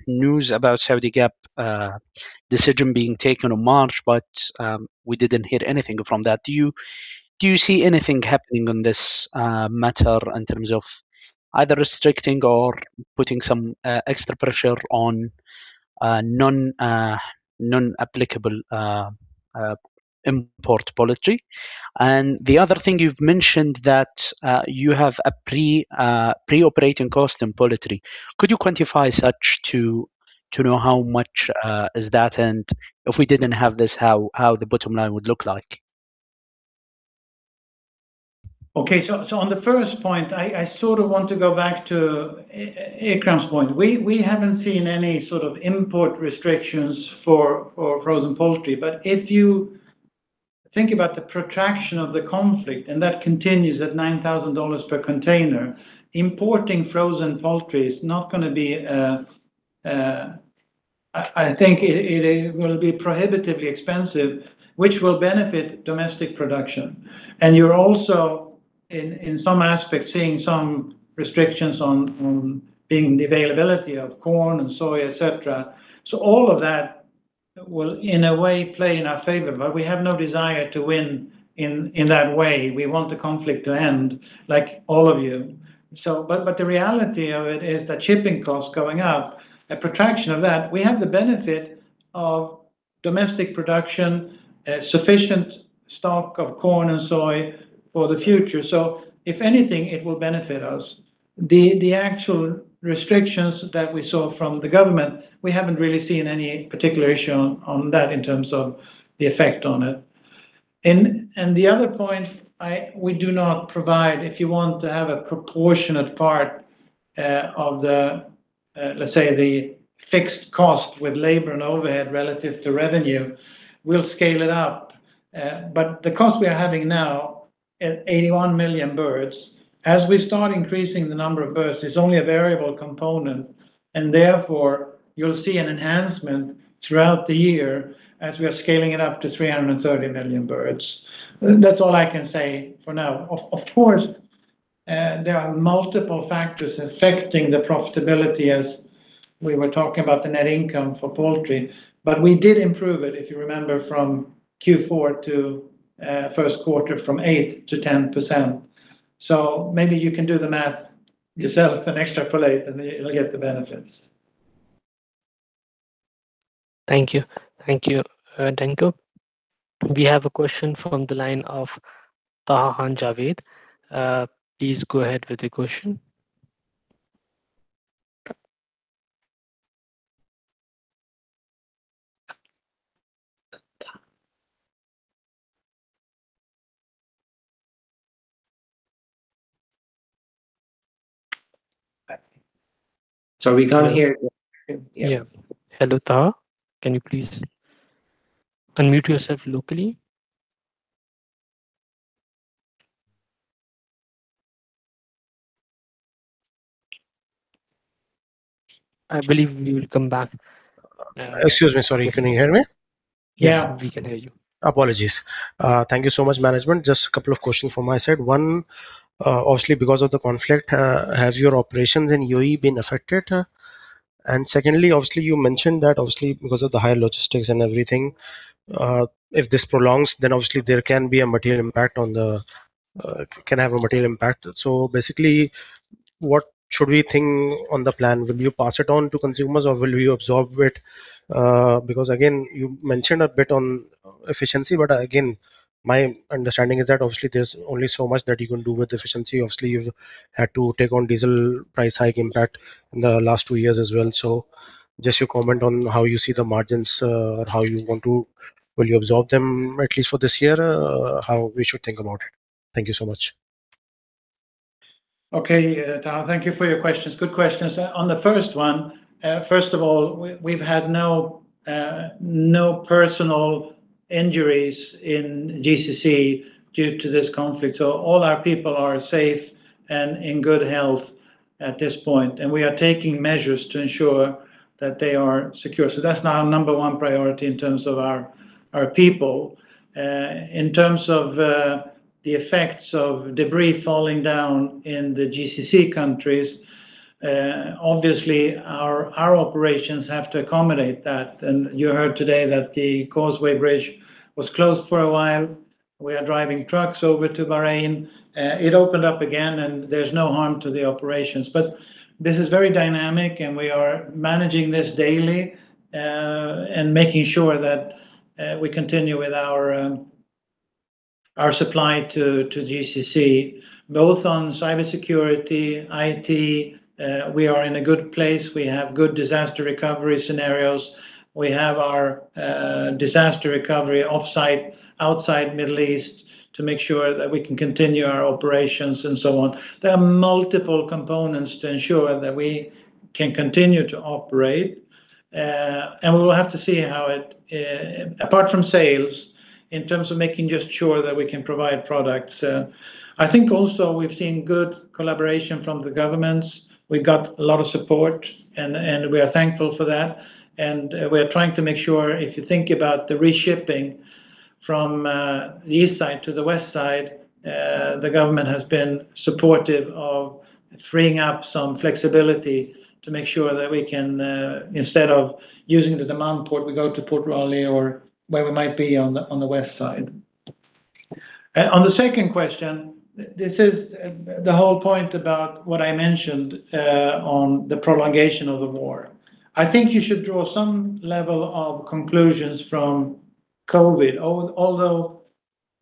news about Saudi GAAP decision being taken on March, but we didn't hear anything from that. Do you see anything happening on this matter in terms of either restricting or putting some extra pressure on non-applicable import poultry? The other thing you've mentioned that you have a pre-operating cost in poultry. Could you quantify such to know how much is that? If we didn't have this, how the bottom line would look like? Okay. On the first point, I sort of want to go back to Ikram's point. We haven't seen any sort of import restrictions for frozen poultry. If you think about the protraction of the conflict, and that continues at $9,000 per container, importing frozen poultry is not going to be. I think it will be prohibitively expensive, which will benefit domestic production. You're also, in some aspects, seeing some restrictions on the availability of corn and soy, et cetera. All of that will, in a way, play in our favor. We have no desire to win in that way. We want the conflict to end, like all of you. The reality of it is the shipping costs going up, a protraction of that, we have the benefit of domestic production, sufficient stock of corn and soy for the future. If anything, it will benefit us. The actual restrictions that we saw from the government, we haven't really seen any particular issue on that in terms of the effect on it. The other point, we do not provide, if you want to have a proportionate part of the, let's say, the fixed cost with labor and overhead relative to revenue, we'll scale it up. The cost we are having now at 81 million birds, as we start increasing the number of birds, it's only a variable component, and therefore you'll see an enhancement throughout the year as we are scaling it up to 330 million birds. That's all I can say for now. Of course, there are multiple factors affecting the profitability as we were talking about the net income for poultry. We did improve it, if you remember, from Q4 to first quarter from 8%-10%. Maybe you can do the math yourself and extrapolate, and you'll get the benefits. Thank you. Thank you, Danko. We have a question from the line of Taha Khan Javed. Please go ahead with the question. Taha? Sorry, we can't hear you. Yeah. Hello, Taha. Can you please unmute yourself locally? I believe we will come back. Excuse me. Sorry, can you hear me? Yeah, we can hear you. Apologies. Thank you so much, management. Just a couple of questions from my side. One, obviously because of the conflict, has your operations in U.A.E. been affected? Secondly, obviously you mentioned that obviously because of the higher logistics and everything, if this prolongs, then obviously there can have a material impact. Basically, what should we think on the plan? Will you pass it on to consumers or will you absorb it? Because again, you mentioned a bit on efficiency, but again, my understanding is that obviously there's only so much that you can do with efficiency. Obviously, you've had to take on diesel price hike impact in the last two years as well. Just your comment on how you see the margins, or how you want to. Will you absorb them at least for this year? How we should think about it. Thank you so much. Okay. Taha, thank you for your questions. Good questions. On the first one, first of all, we've had no personal injuries in GCC due to this conflict, so all our people are safe and in good health at this point, and we are taking measures to ensure that they are secure. That's now our number one priority in terms of our people. In terms of the effects of debris falling down in the GCC countries, obviously our operations have to accommodate that, and you heard today that the Causeway Bridge was closed for a while. We are driving trucks over to Bahrain. It opened up again, and there's no harm to the operations, but this is very dynamic, and we are managing this daily, and making sure that we continue with our supply to GCC. Both on cybersecurity, IT, we are in a good place. We have good disaster recovery scenarios. We have our disaster recovery offsite, outside Middle East, to make sure that we can continue our operations and so on. There are multiple components to ensure that we can continue to operate, and we will have to see how it, apart from sales, in terms of making just sure that we can provide products. I think also we've seen good collaboration from the governments. We got a lot of support, and we are thankful for that, and we are trying to make sure if you think about the reshipping from the east side to the west side, the government has been supportive of freeing up some flexibility to make sure that we can, instead of using the Dammam Port, we go to Port of Jeddah or where we might be on the west side. On the second question, this is the whole point about what I mentioned, on the prolongation of the war. I think you should draw some level of conclusions from COVID, although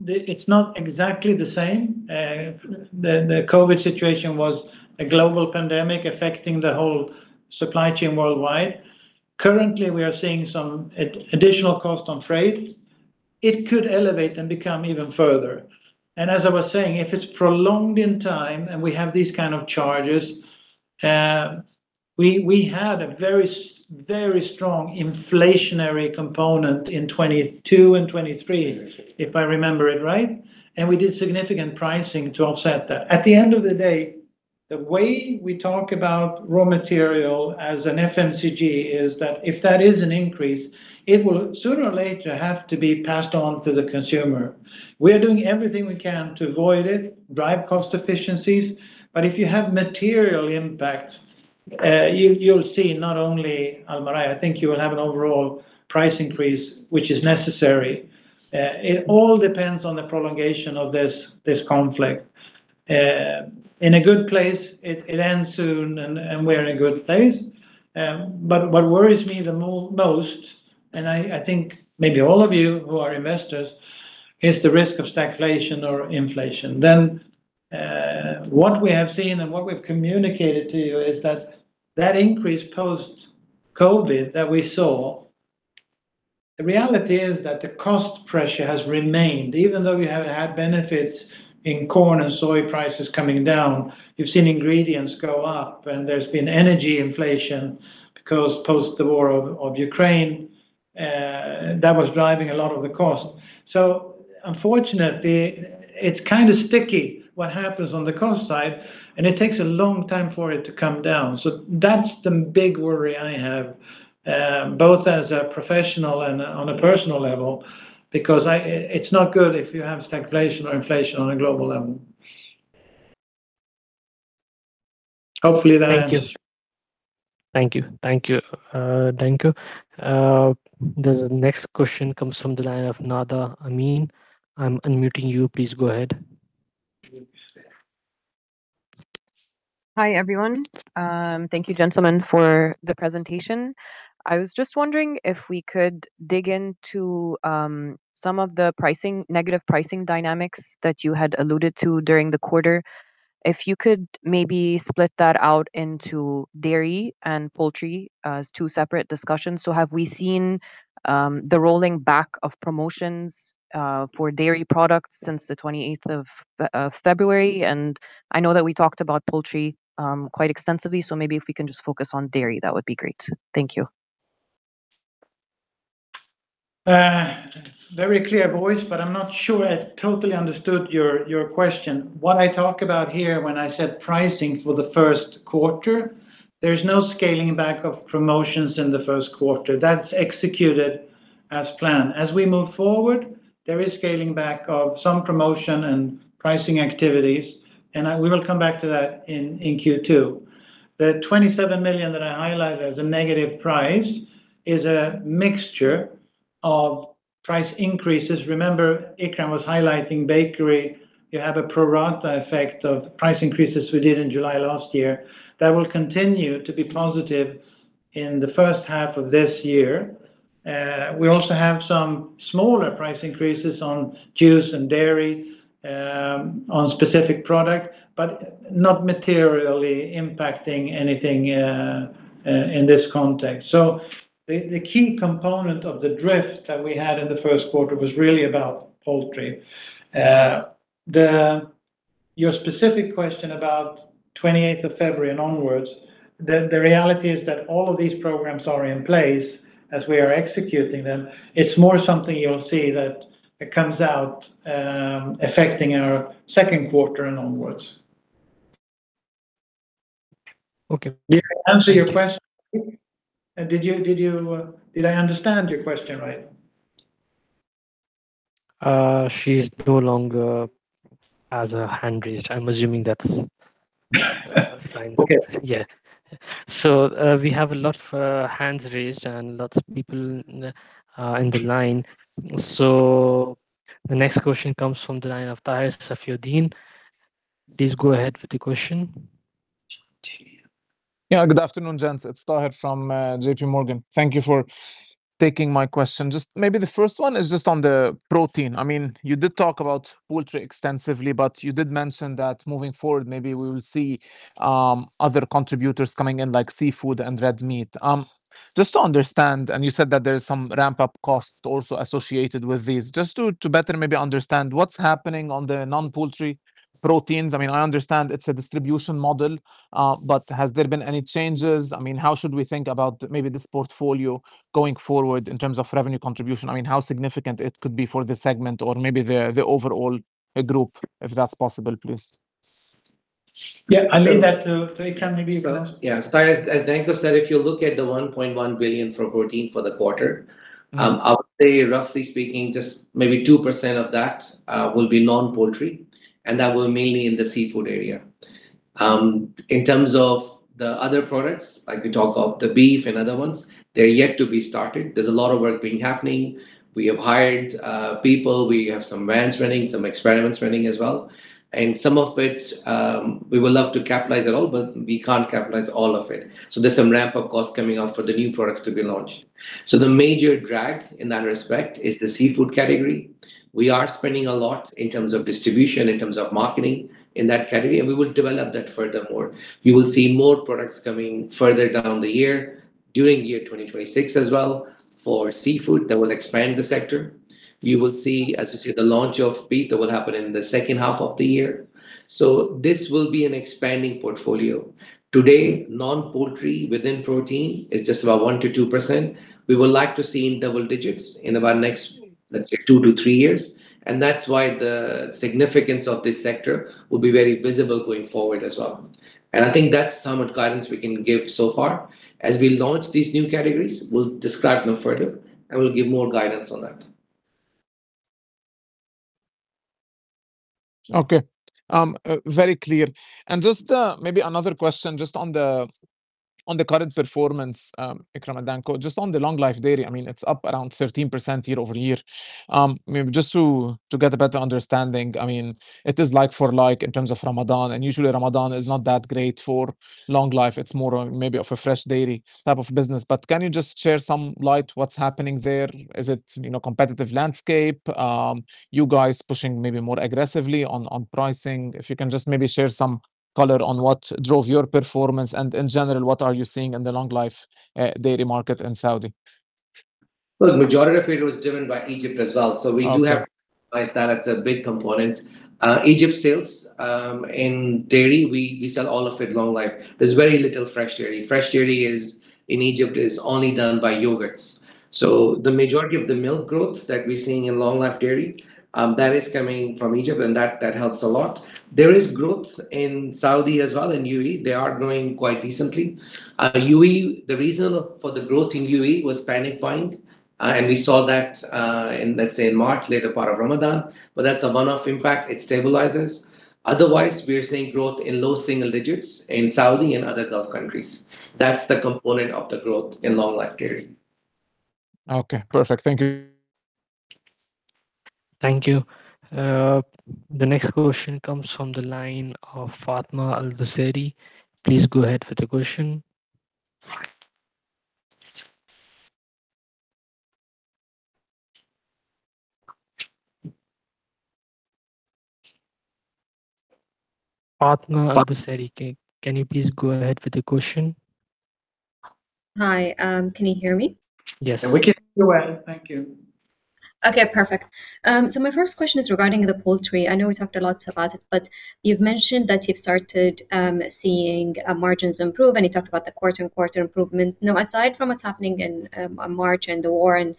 it's not exactly the same. The COVID situation was a global pandemic affecting the whole supply chain worldwide. Currently, we are seeing some additional cost on freight. It could elevate and become even further. As I was saying, if it's prolonged in time and we have these kind of charges, we had a very strong inflationary component in 2022 and 2023, if I remember it right, and we did significant pricing to offset that. At the end of the day, the way we talk about raw material as an FMCG is that if that is an increase, it will sooner or later have to be passed on to the consumer. We are doing everything we can to avoid it, drive cost efficiencies, but if you have material impact, you'll see not only Almarai, I think you will have an overall price increase, which is necessary. It all depends on the prolongation of this conflict. In a good place, it ends soon and we're in a good place. What worries me the most, and I think maybe all of you who are investors, is the risk of stagflation or inflation. What we have seen and what we've communicated to you is that that increase post-COVID that we saw, the reality is that the cost pressure has remained. Even though we have had benefits in corn and soy prices coming down, you've seen ingredients go up, and there's been energy inflation because post the war in Ukraine, that was driving a lot of the cost. Unfortunately, it's kind of sticky what happens on the cost side, and it takes a long time for it to come down. That's the big worry I have, both as a professional and on a personal level, because it's not good if you have stagflation or inflation on a global level. Hopefully that answers. Thank you. The next question comes from the line of Nada Amin. I'm unmuting you. Please go ahead. Hi, everyone. Thank you, gentlemen, for the presentation. I was just wondering if we could dig into some of the negative pricing dynamics that you had alluded to during the quarter. If you could maybe split that out into dairy and poultry as two separate discussions. Have we seen the rolling back of promotions for dairy products since the 28th of February? I know that we talked about poultry quite extensively, so maybe if we can just focus on dairy, that would be great. Thank you. Very clear voice, but I'm not sure I totally understood your question. What I talk about here when I said pricing for the first quarter, there's no scaling back of promotions in the first quarter. That's executed as planned. As we move forward, there is scaling back of some promotion and pricing activities, and we will come back to that in Q2. The 27 million that I highlighted as a negative price is a mixture of price increases. Remember, Ikram was highlighting Bakery. You have a pro rata effect of price increases we did in July last year that will continue to be positive in the first half of this year. We also have some smaller price increases on juice and dairy on specific product, but not materially impacting anything in this context. The key component of the drift that we had in the first quarter was really about Poultry. Your specific question about 28th of February and onwards, the reality is that all of these programs are in place as we are executing them. It's more something you'll see that it comes out affecting our second quarter and onwards. Okay. Did I answer your question? Did I understand your question right? She's no longer has her hand raised. I'm assuming that's. Okay a sign. Yeah. We have a lot of hands raised and lots of people in the line. The next question comes from the line of Taher Safieddine. Please go ahead with the question. Yeah. Good afternoon, gents. It's Tahir from J.P. Morgan. Thank you for taking my question. Just maybe the first one is just on the protein. You did talk about poultry extensively, but you did mention that moving forward, maybe we will see other contributors coming in, like seafood and red meat. Just to understand, and you said that there is some ramp-up cost also associated with these. Just to better maybe understand what's happening on the non-poultry proteins. I understand it's a distribution model, but has there been any changes? How should we think about maybe this portfolio going forward in terms of revenue contribution? How significant it could be for the segment or maybe the overall group, if that's possible, please? Yeah. I leave that to Ikram, maybe, brother. Yeah. Tahir, as Danko said, if you look at the 1.1 billion for Protein for the quarter, I would say roughly speaking, just maybe 2% of that will be non-poultry, and that will mainly in the seafood area. In terms of the other products, I could talk of the beef and other ones, they're yet to be started. There's a lot of work been happening. We have hired people. We have some vans running, some experiments running as well. Some of it, we would love to capitalize it all, but we can't capitalize all of it. There's some ramp-up cost coming up for the new products to be launched. The major drag in that respect is the seafood category. We are spending a lot in terms of distribution, in terms of marketing in that category, and we will develop that furthermore. You will see more products coming further down the year, during the year 2026 as well for seafood that will expand the sector. You will see, as you see the launch of beef, that will happen in the second half of the year. So this will be an expanding portfolio. Today, non-poultry within protein is just about 1% to 2%. We would like to see in double digits in about next, let's say, two to three years, and that's why the significance of this sector will be very visible going forward as well. I think that's somewhat guidance we can give so far. As we launch these new categories, we'll describe no further, and we'll give more guidance on that. Okay. Very clear. Just maybe another question just on the current performance, Ikram and Danko, just on the Long-Life Dairy. It's up around 13% year-over-year. Just to get a better understanding, it is like for like in terms of Ramadan, and usually Ramadan is not that great for Long-Life. It's more maybe of a Fresh Dairy type of business. Can you just shed some light on what's happening there? Is it competitive landscape? You guys pushing maybe more aggressively on pricing? If you can just maybe share some color on what drove your performance and in general, what are you seeing in the Long-Life Dairy market in Saudi? Well, majority of it was driven by Egypt as well. Okay. We do have that. That's a big component. Egypt sales in dairy, we sell all of it long life. There's very little Fresh Dairy. Fresh Dairy in Egypt is only done by yogurts. The majority of the milk growth that we're seeing in Long-Life Dairy, that is coming from Egypt, and that helps a lot. There is growth in Saudi as well, in UAE. They are growing quite decently. UAE, the reason for the growth in UAE was panic buying, and we saw that in, let's say, in March, later part of Ramadan. That's a one-off impact. It stabilizes. Otherwise, we are seeing growth in low single digits in Saudi and other Gulf countries. That's the component of the growth in Long-Life Dairy. Okay. Perfect. Thank you. Thank you. The next question comes from the line of Fatma Al Busari. Please go ahead with the question. Fatma Al Busari, can you please go ahead with the question? Hi. Can you hear me? Yes. We can hear you well. Thank you. Okay, perfect. My first question is regarding the poultry. I know we talked a lot about it, but you've mentioned that you've started seeing margins improve, and you talked about the quarter-on-quarter improvement. Now, aside from what's happening in March and the war and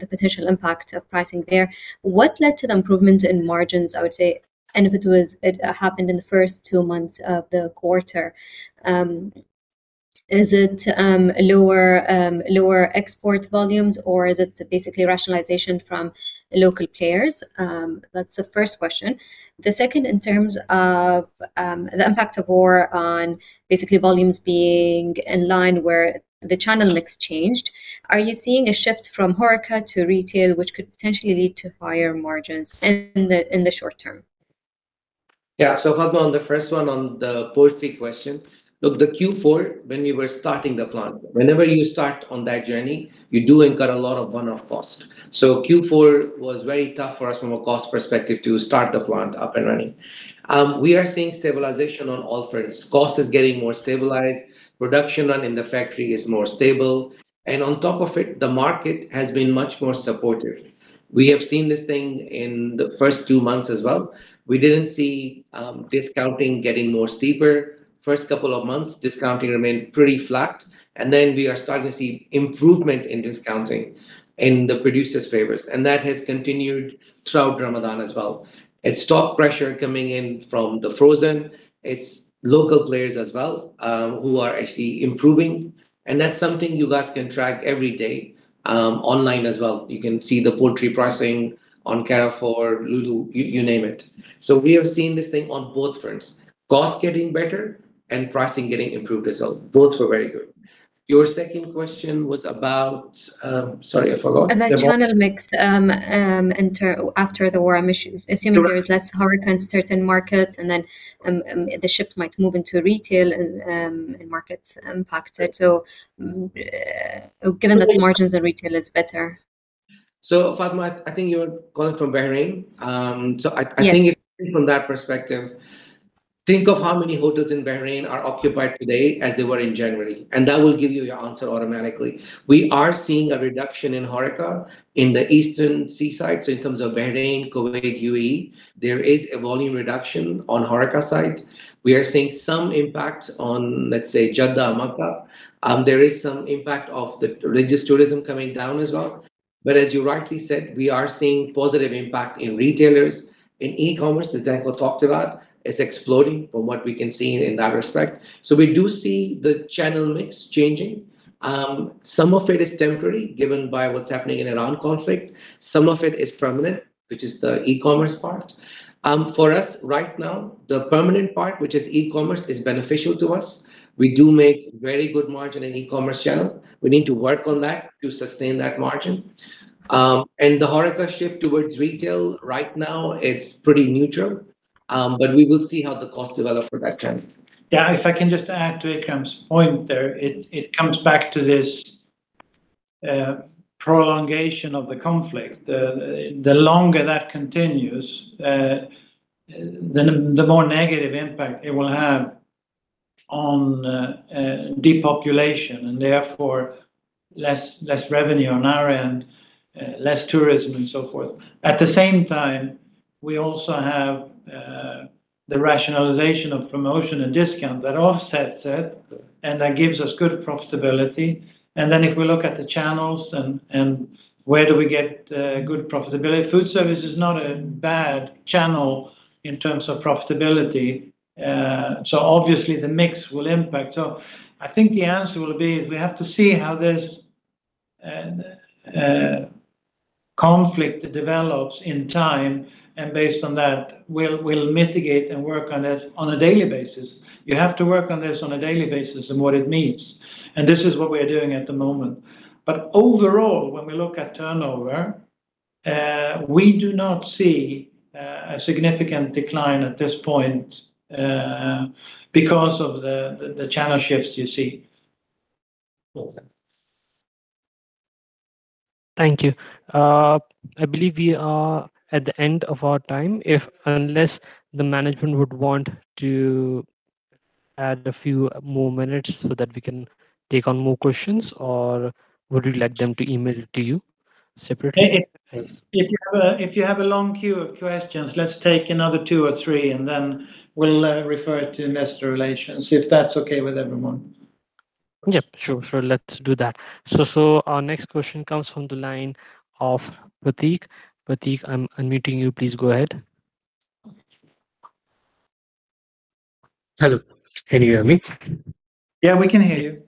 the potential impact of pricing there, what led to the improvement in margins, I would say, and if it happened in the first two months of the quarter? Is it lower export volumes, or is it basically rationalization from local players? That's the first question. The second, in terms of the impact of war on basically volumes being in line where the channel mix changed, are you seeing a shift from HoReCa to retail, which could potentially lead to higher margins in the short term? Yeah. Fatma, on the first one on the poultry question, look, the Q4 when we were starting the plant, whenever you start on that journey, you do incur a lot of one-off cost. Q4 was very tough for us from a cost perspective to start the plant up and running. We are seeing stabilization on all fronts. Cost is getting more stabilized, production in the factory is more stable, and on top of it, the market has been much more supportive. We have seen this thing in the first two months as well. We didn't see discounting getting more steeper. First couple of months, discounting remained pretty flat, and then we are starting to see improvement in discounting in the producer's favors, and that has continued throughout Ramadan as well. It's stock pressure coming in from the frozen. It's local players as well who are actually improving, and that's something you guys can track every day, online as well. You can see the poultry pricing on Carrefour, Lulu, you name it. We have seen this thing on both fronts, cost getting better and pricing getting improved as well. Both were very good. Your second question was about. Sorry, I forgot. About channel mix after the war. I'm assuming there is less HoReCa in certain markets, and then the shift might move into retail and markets impacted, given that the margins in retail is better. Fatma, I think you're calling from Bahrain. Yes. I think if from that perspective, think of how many hotels in Bahrain are occupied today as they were in January, and that will give you your answer automatically. We are seeing a reduction in HoReCa in the eastern seaside. In terms of Bahrain, Kuwait, UAE, there is a volume reduction on HoReCa side. We are seeing some impact on, let's say, Jeddah, Mecca. There is some impact of the religious tourism coming down as well. As you rightly said, we are seeing positive impact in retailers. In e-commerce, as Danko talked about, is exploding from what we can see in that respect. We do see the channel mix changing. Some of it is temporary, given by what's happening in Iran conflict. Some of it is permanent, which is the e-commerce part. For us right now, the permanent part, which is e-commerce, is beneficial to us. We do make very good margin in e-commerce channel. We need to work on that to sustain that margin. The HoReCa shift towards retail, right now it's pretty neutral, but we will see how the cost develop for that trend. Yeah, if I can just add to Ikram's point there. It comes back to this prolongation of the conflict. The longer that continues, the more negative impact it will have on the population and therefore less revenue on our end, less tourism and so forth. At the same time, we also have the rationalization of promotions and discounts that offsets it and that gives us good profitability. If we look at the channels and where do we get good profitability, food service is not a bad channel in terms of profitability. Obviously the mix will impact. I think the answer will be, is we have to see how this conflict develops in time, and based on that, we'll mitigate and work on this on a daily basis. You have to work on this on a daily basis and what it means, and this is what we are doing at the moment. Overall, when we look at turnover, we do not see a significant decline at this point because of the channel shifts you see. Awesome. Thank you. I believe we are at the end of our time. Unless the management would want to add a few more minutes so that we can take on more questions or would you like them to email it to you separately? If you have a long queue of questions, let's take another two or three, and then we'll refer to Investor Relations, if that's okay with everyone. Yep, sure. Let's do that. Our next question comes from the line of Prateek. Prateek, I'm unmuting you. Please go ahead. Hello. Can you hear me? Yeah, we can hear you.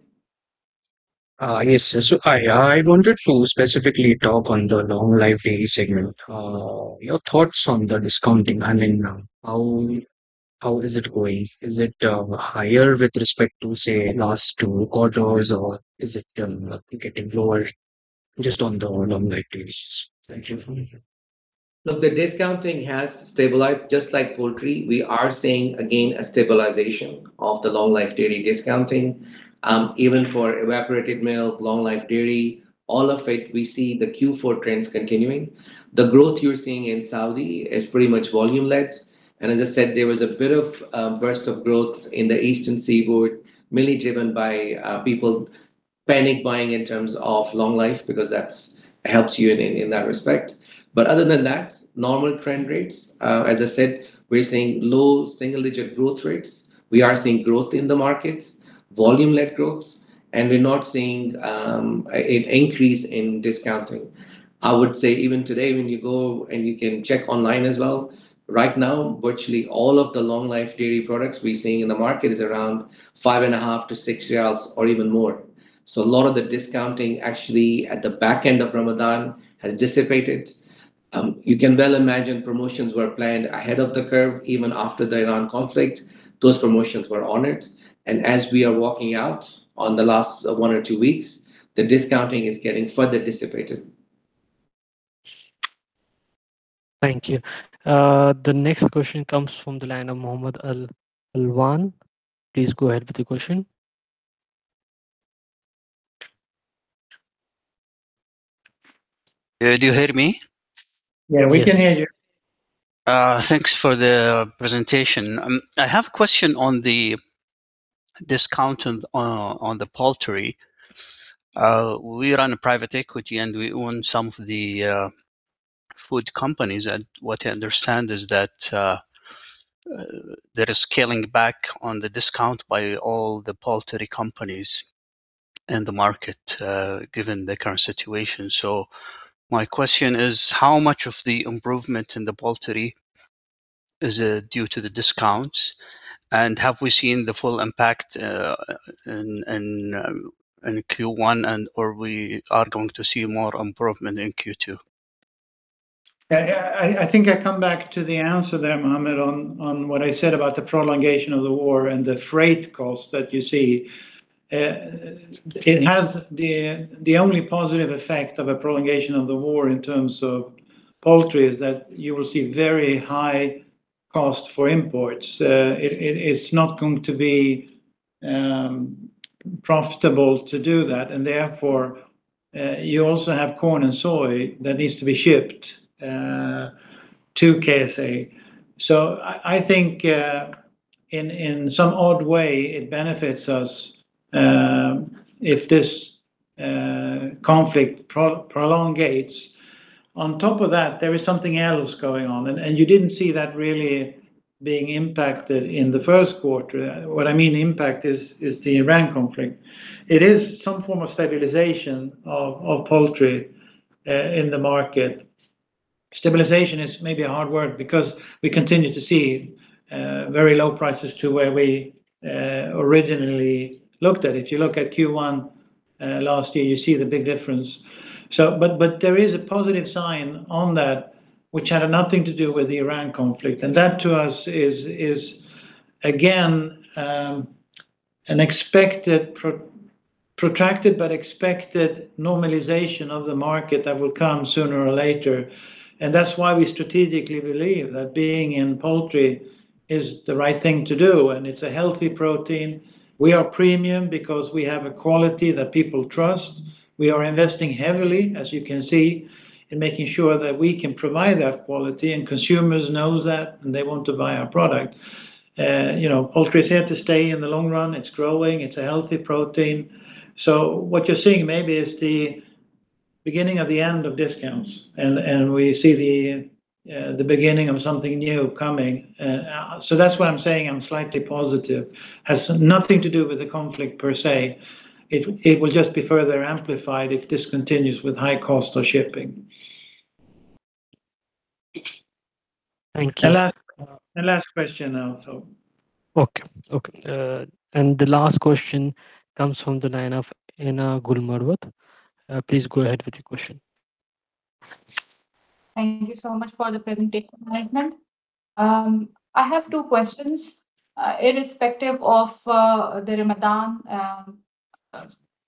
Yes. I wanted to specifically talk on the Long-Life Dairy segment. Your thoughts on the discounting. I mean, how is it going? Is it higher with respect to, say, last two quarters, or is it getting lower? Just on the Long-Life Dairy. Thank you. Look, the discounting has stabilized, just like Poultry. We are seeing, again, a stabilization of the Long-Life Dairy discounting. Even for Evaporated Milk, Long-Life Dairy, all of it, we see the Q4 trends continuing. The growth you're seeing in Saudi is pretty much volume-led, and as I said, there was a bit of a burst of growth in the eastern seaboard. Mainly driven by people panic buying in terms of long life, because that helps you in that respect. Other than that, normal trend rates. As I said, we're seeing low single-digit growth rates. We are seeing growth in the market, volume-led growth, and we're not seeing an increase in discounting. I would say even today when you go, and you can check online as well, right now, virtually all of the long-life dairy products we're seeing in the market is around SAR 5.5-SAR 6 or even more. A lot of the discounting actually at the back end of Ramadan has dissipated. You can well imagine promotions were planned ahead of the curve, even after the Iran conflict. Those promotions were honored, and as we are walking out on the last 1 or 2 weeks, the discounting is getting further dissipated. Thank you. The next question comes from the line of Mohammed Al-Alwan. Please go ahead with the question. Do you hear me? Yeah, we can hear you. Thanks for the presentation. I have a question on the discount on the poultry. We run a private equity and we own some of the food companies. What I understand is that there is scaling back on the discount by all the poultry companies in the market given the current situation. My question is, how much of the improvement in the poultry is due to the discounts? Have we seen the full impact in Q1, or we are going to see more improvement in Q2? I think I come back to the answer there, Mohammed, on what I said about the prolongation of the war and the freight costs that you see. The only positive effect of a prolongation of the war in terms of poultry is that you will see very high cost for imports. It is not going to be profitable to do that, and therefore, you also have corn and soy that needs to be shipped to KSA. I think in some odd way, it benefits us if this conflict prolongates. On top of that, there is something else going on, and you didn't see that really being impacted in the first quarter. What I mean impact is the Iran conflict. It is some form of stabilization of poultry in the market. Stabilization is maybe a hard word because we continue to see very low prices to where we originally looked at it. You look at Q1 last year, you see the big difference. There is a positive sign on that which had nothing to do with the Iran conflict. That to us is, again, an expected, protracted, but expected normalization of the market that will come sooner or later. That's why we strategically believe that being in poultry is the right thing to do, and it's a healthy protein. We are premium because we have a quality that people trust. We are investing heavily, as you can see, in making sure that we can provide that quality, and consumers know that, and they want to buy our product. Poultry is here to stay in the long run. It's growing. It's a healthy protein. What you're seeing maybe is the beginning of the end of discounts, and we see the beginning of something new coming. That's why I'm saying I'm slightly positive. Has nothing to do with the conflict per se. It will just be further amplified if this continues with high cost of shipping. Thank you. The last question now. Okay. The last question comes from the line of Ena Gulmarwad. Please go ahead with your question. Thank you so much for the presentation, Meindert. I have two questions. Irrespective of the Ramadan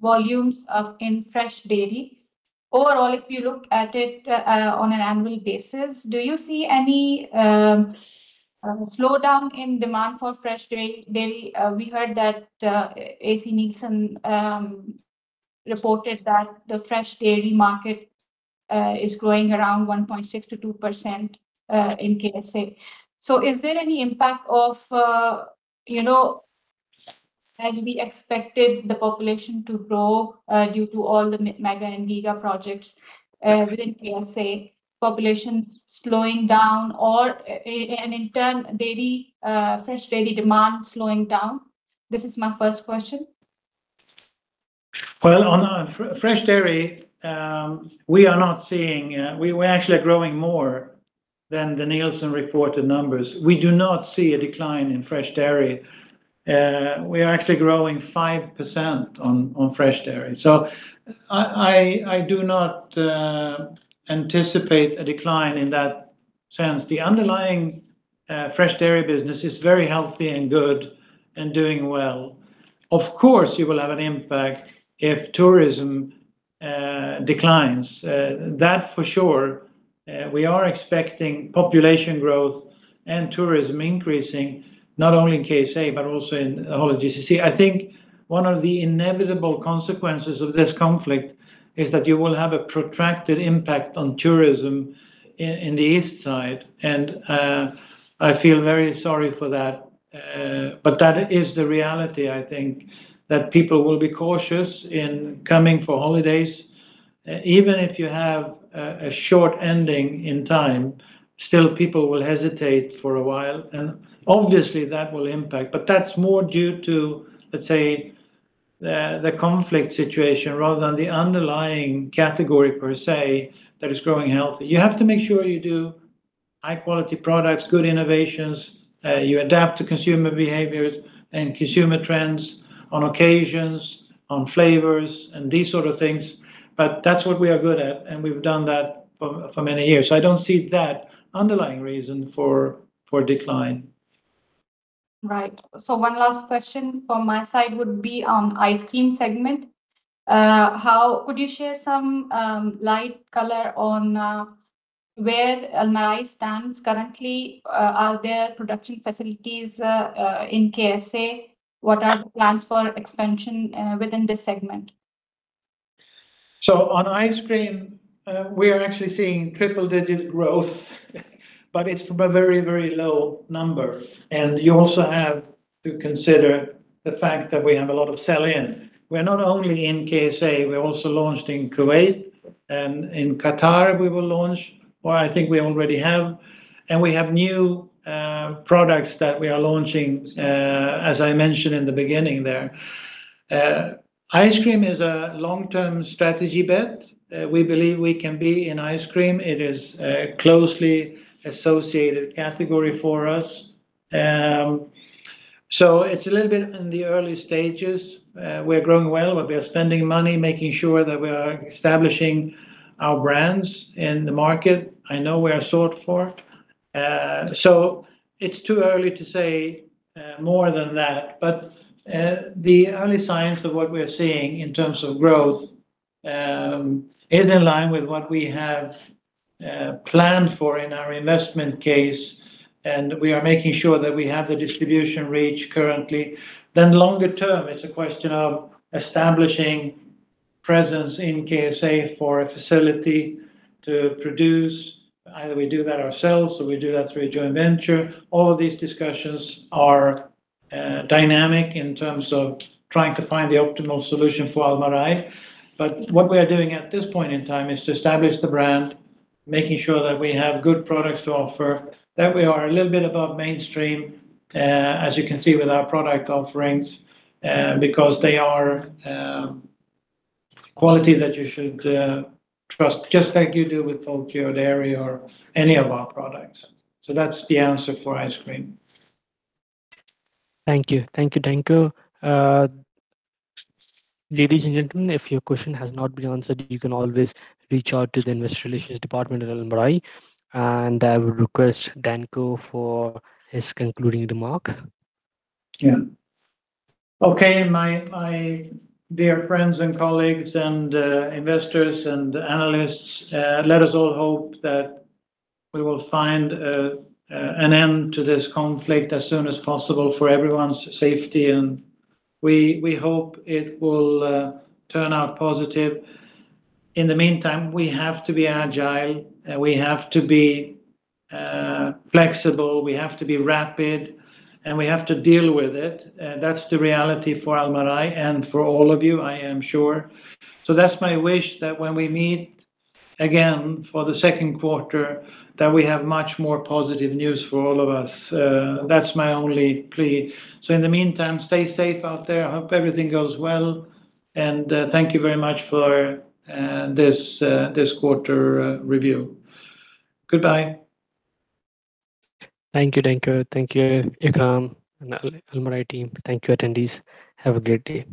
volumes in Fresh Dairy, overall, if you look at it on an annual basis, do you see any slowdown in demand for Fresh Dairy? We heard that AC Nielsen reported that the Fresh Dairy market is growing around 1.6%-2% in KSA. Is there any impact of, as we expected the population to grow due to all the mega and giga projects within KSA, population slowing down or, and in turn, Fresh Dairy demand slowing down? This is my first question. Well, on Fresh Dairy, we're actually growing more than the Nielsen reported numbers. We do not see a decline in Fresh Dairy. We are actually growing 5% on Fresh Dairy. I do not anticipate a decline in that sense. The underlying Fresh Dairy business is very healthy and good and doing well. Of course, you will have an impact if tourism declines. That for sure. We are expecting population growth and tourism increasing, not only in KSA but also in the whole GCC. I think one of the inevitable consequences of this conflict is that you will have a protracted impact on tourism in the east side, and I feel very sorry for that. That is the reality, I think, that people will be cautious in coming for holidays. Even if you have a short weekend in time, still people will hesitate for a while, and obviously that will impact. That's more due to, let's say, the conflict situation rather than the underlying category per se that is growing healthy. You have to make sure you do high-quality products, good innovations, you adapt to consumer behaviors and consumer trends on occasions, on flavors, and these sort of things. That's what we are good at, and we've done that for many years. I don't see that underlying reason for decline. Right. One last question from my side would be on Ice Cream segment. Could you shed some light on where Almarai stands currently? Are there production facilities in KSA? What are the plans for expansion within this segment? On ice cream, we are actually seeing triple-digit growth, but it's from a very, very low number. You also have to consider the fact that we have a lot of sell-in. We're not only in KSA, we also launched in Kuwait and in Qatar, we will launch, or I think we already have. We have new products that we are launching, as I mentioned in the beginning there. Ice cream is a long-term strategy bet. We believe we can be in ice cream. It is a closely associated category for us. It's a little bit in the early stages. We're growing well. We are spending money, making sure that we are establishing our brands in the market. I know we are sought for. It's too early to say more than that. The early signs of what we are seeing in terms of growth is in line with what we have planned for in our investment case, and we are making sure that we have the distribution reach currently. Longer term, it's a question of establishing presence in KSA for a facility to produce. Either we do that ourselves or we do that through a joint venture. All of these discussions are dynamic in terms of trying to find the optimal solution for Almarai. What we are doing at this point in time is to establish the brand, making sure that we have good products to offer, that we are a little bit above mainstream, as you can see with our product offerings, because they are quality that you should trust, just like you do with Fulgido dairy or any of our products. That's the answer for Ice Cream. Thank you. Thank you, Danko. Ladies and gentlemen, if your question has not been answered, you can always reach out to the Investor Relations department at Almarai, and I would request Danko for his concluding remark. Yeah. Okay, my dear friends and colleagues and investors and analysts, let us all hope that we will find an end to this conflict as soon as possible for everyone's safety, and we hope it will turn out positive. In the meantime, we have to be agile, we have to be flexible, we have to be rapid, and we have to deal with it. That's the reality for Almarai and for all of you, I am sure. That's my wish that when we meet again for the second quarter, that we have much more positive news for all of us. That's my only plea. In the meantime, stay safe out there. I hope everything goes well, and thank you very much for this quarter review. Goodbye. Thank you, Danko. Thank you, Ikram and Almarai team. Thank you, attendees. Have a great day.